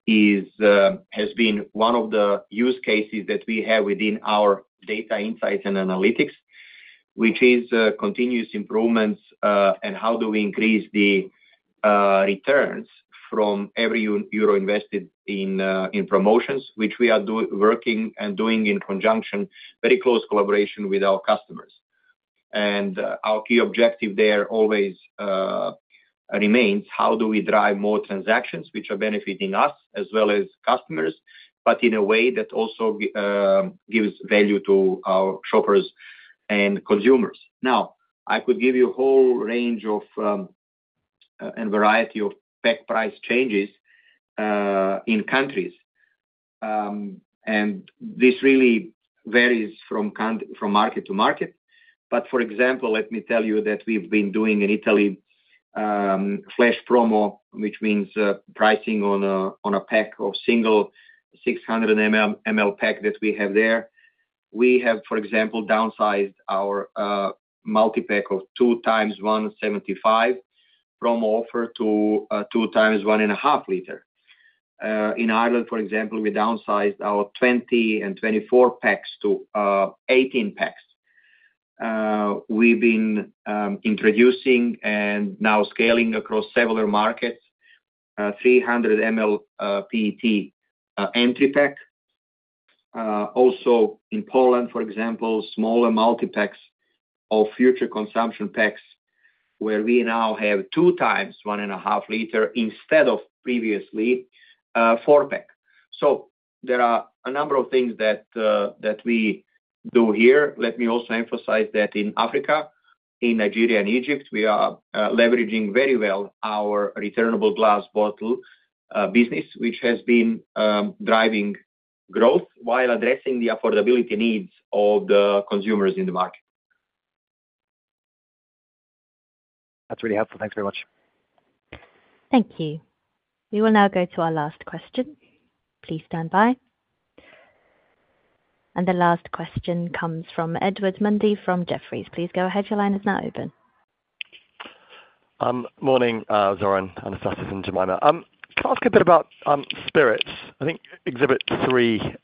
has been one of the use cases that we have within our data insights and analytics, which is continuous improvements and how do we increase the returns from every EUR invested in promotions, which we are working and doing in conjunction, very close collaboration with our customers, and our key objective there always remains: how do we drive more transactions which are benefiting us as well as customers, but in a way that also gives value to our shoppers and consumers? Now, I could give you a whole range and variety of pack price changes in countries. This really varies from market to market. But for example, let me tell you that we've been doing in Italy flash promo, which means pricing on a pack of single 600 ml pack that we have there. We have, for example, downsized our multi-pack of 2x 1.75 L promo offer to 2x 1.5 L. In Ireland, for example, we downsized our 20-pack and 24-pack to 18-pack. We've been introducing and now scaling across several markets 300 ml PET entry pack. Also in Poland, for example, smaller multi-packs of future consumption packs where we now have 2x 1.5 L instead of previously 4-pack. So there are a number of things that we do here. Let me also emphasize that in Africa, in Nigeria, and Egypt, we are leveraging very well our returnable glass bottle business, which has been driving growth while addressing the affordability needs of the consumers in the market. That's really helpful. Thanks very much. Thank you. We will now go to our last question. Please stand by. And the last question comes from Edward Mundy from Jefferies. Please go ahead. Your line is now open. Morning, Zoran, Anastasis, and Jemima. Can I ask a bit about spirits? I think Exhibit 3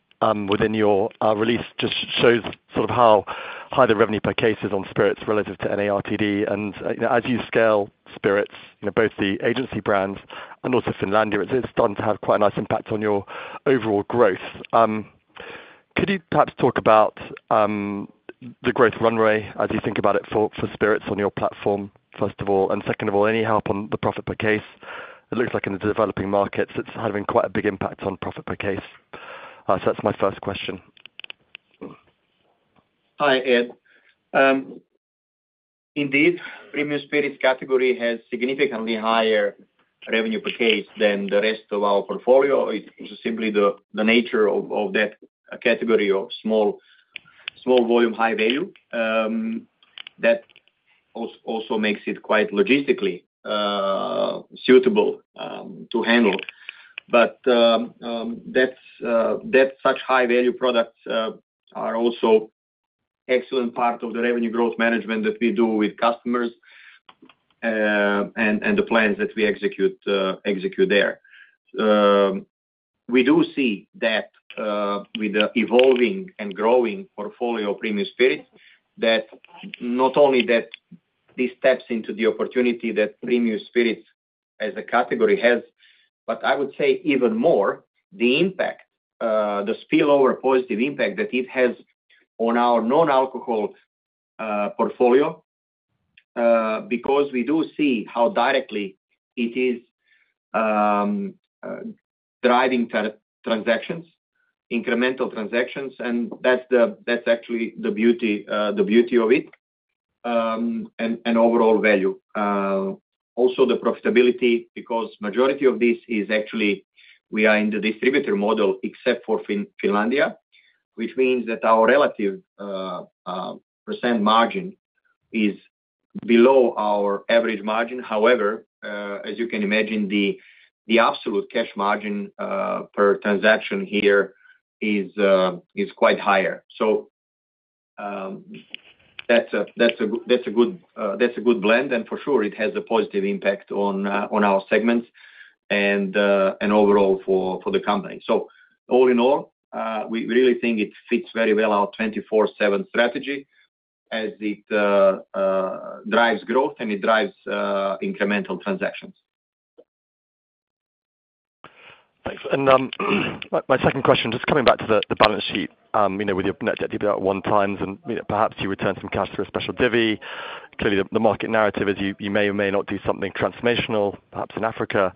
within your release just shows sort of how high the revenue per case is on spirits relative to NARTD. And as you scale spirits, both the agency brands and also Finlandia, it's starting to have quite a nice impact on your overall growth. Could you perhaps talk about the growth runway as you think about it for spirits on your platform, first of all? And second of all, any help on the profit per case? It looks like in the developing markets, it's having quite a big impact on profit per case. So that's my first question. Hi, Ed. Indeed, premium spirits category has significantly higher revenue per case than the rest of our portfolio. It's simply the nature of that category of small volume, high value. That also makes it quite logistically suitable to handle. But such high-value products are also an excellent part of the revenue growth management that we do with customers and the plans that we execute there. We do see that with the evolving and growing portfolio of premium spirits, that not only that this taps into the opportunity that premium spirits as a category has, but I would say even more, the impact, the spillover positive impact that it has on our non-alcohol portfolio because we do see how directly it is driving transactions, incremental transactions, and that's actually the beauty of it and overall value. Also, the profitability because the majority of this is actually we are in the distributor model except for Finlandia, which means that our relative % margin is below our average margin. However, as you can imagine, the absolute cash margin per transaction here is quite higher, so that's a good blend, and for sure, it has a positive impact on our segments and overall for the company. So all in all, we really think it fits very well our 24/7 strategy as it drives growth and it drives incremental transactions. Thanks. And my second question, just coming back to the balance sheet with your net debt about 1x and perhaps you return some cash through a special divvy. Clearly, the market narrative is you may or may not do something transformational, perhaps in Africa.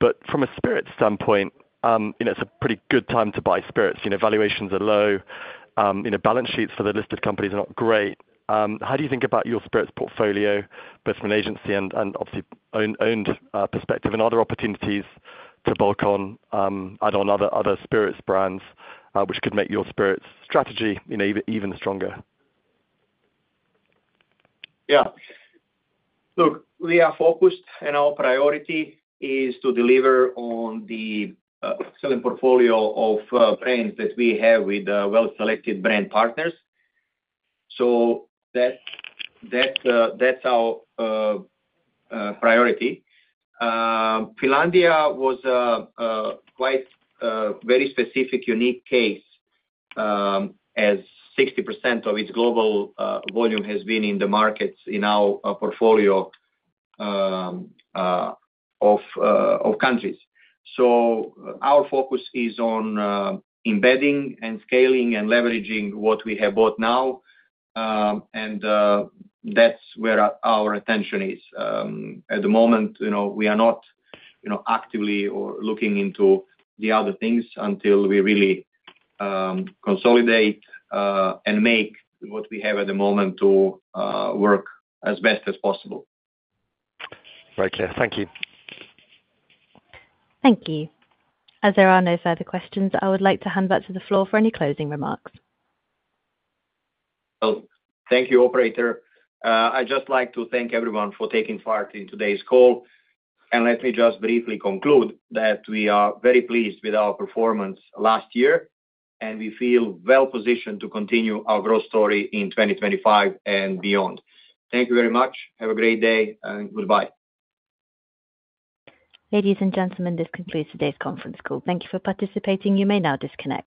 But from a spirits standpoint, it's a pretty good time to buy spirits. Valuations are low. Balance sheets for the listed companies are not great. How do you think about your spirits portfolio, both from an agency and obviously owned perspective, and other opportunities to bulk on, add on other spirits brands, which could make your spirits strategy even stronger? Yeah. Look, we are focused and our priority is to deliver on the excellent portfolio of brands that we have with well-selected brand partners. So that's our priority. Finlandia was quite a very specific, unique case as 60% of its global volume has been in the markets in our portfolio of countries. So our focus is on embedding and scaling and leveraging what we have bought now. And that's where our attention is at the moment. We are not actively looking into the other things until we really consolidate and make what we have at the moment to work as best as possible. Right. Yeah. Thank you. Thank you. As there are no further questions, I would like to hand back to the floor for any closing remarks. Thank you, Operator. I'd just like to thank everyone for taking part in today's call. Let me just briefly conclude that we are very pleased with our performance last year, and we feel well-positioned to continue our growth story in 2025 and beyond. Thank you very much. Have a great day and goodbye. Ladies and gentlemen, this concludes today's conference call. Thank you for participating. You may now disconnect.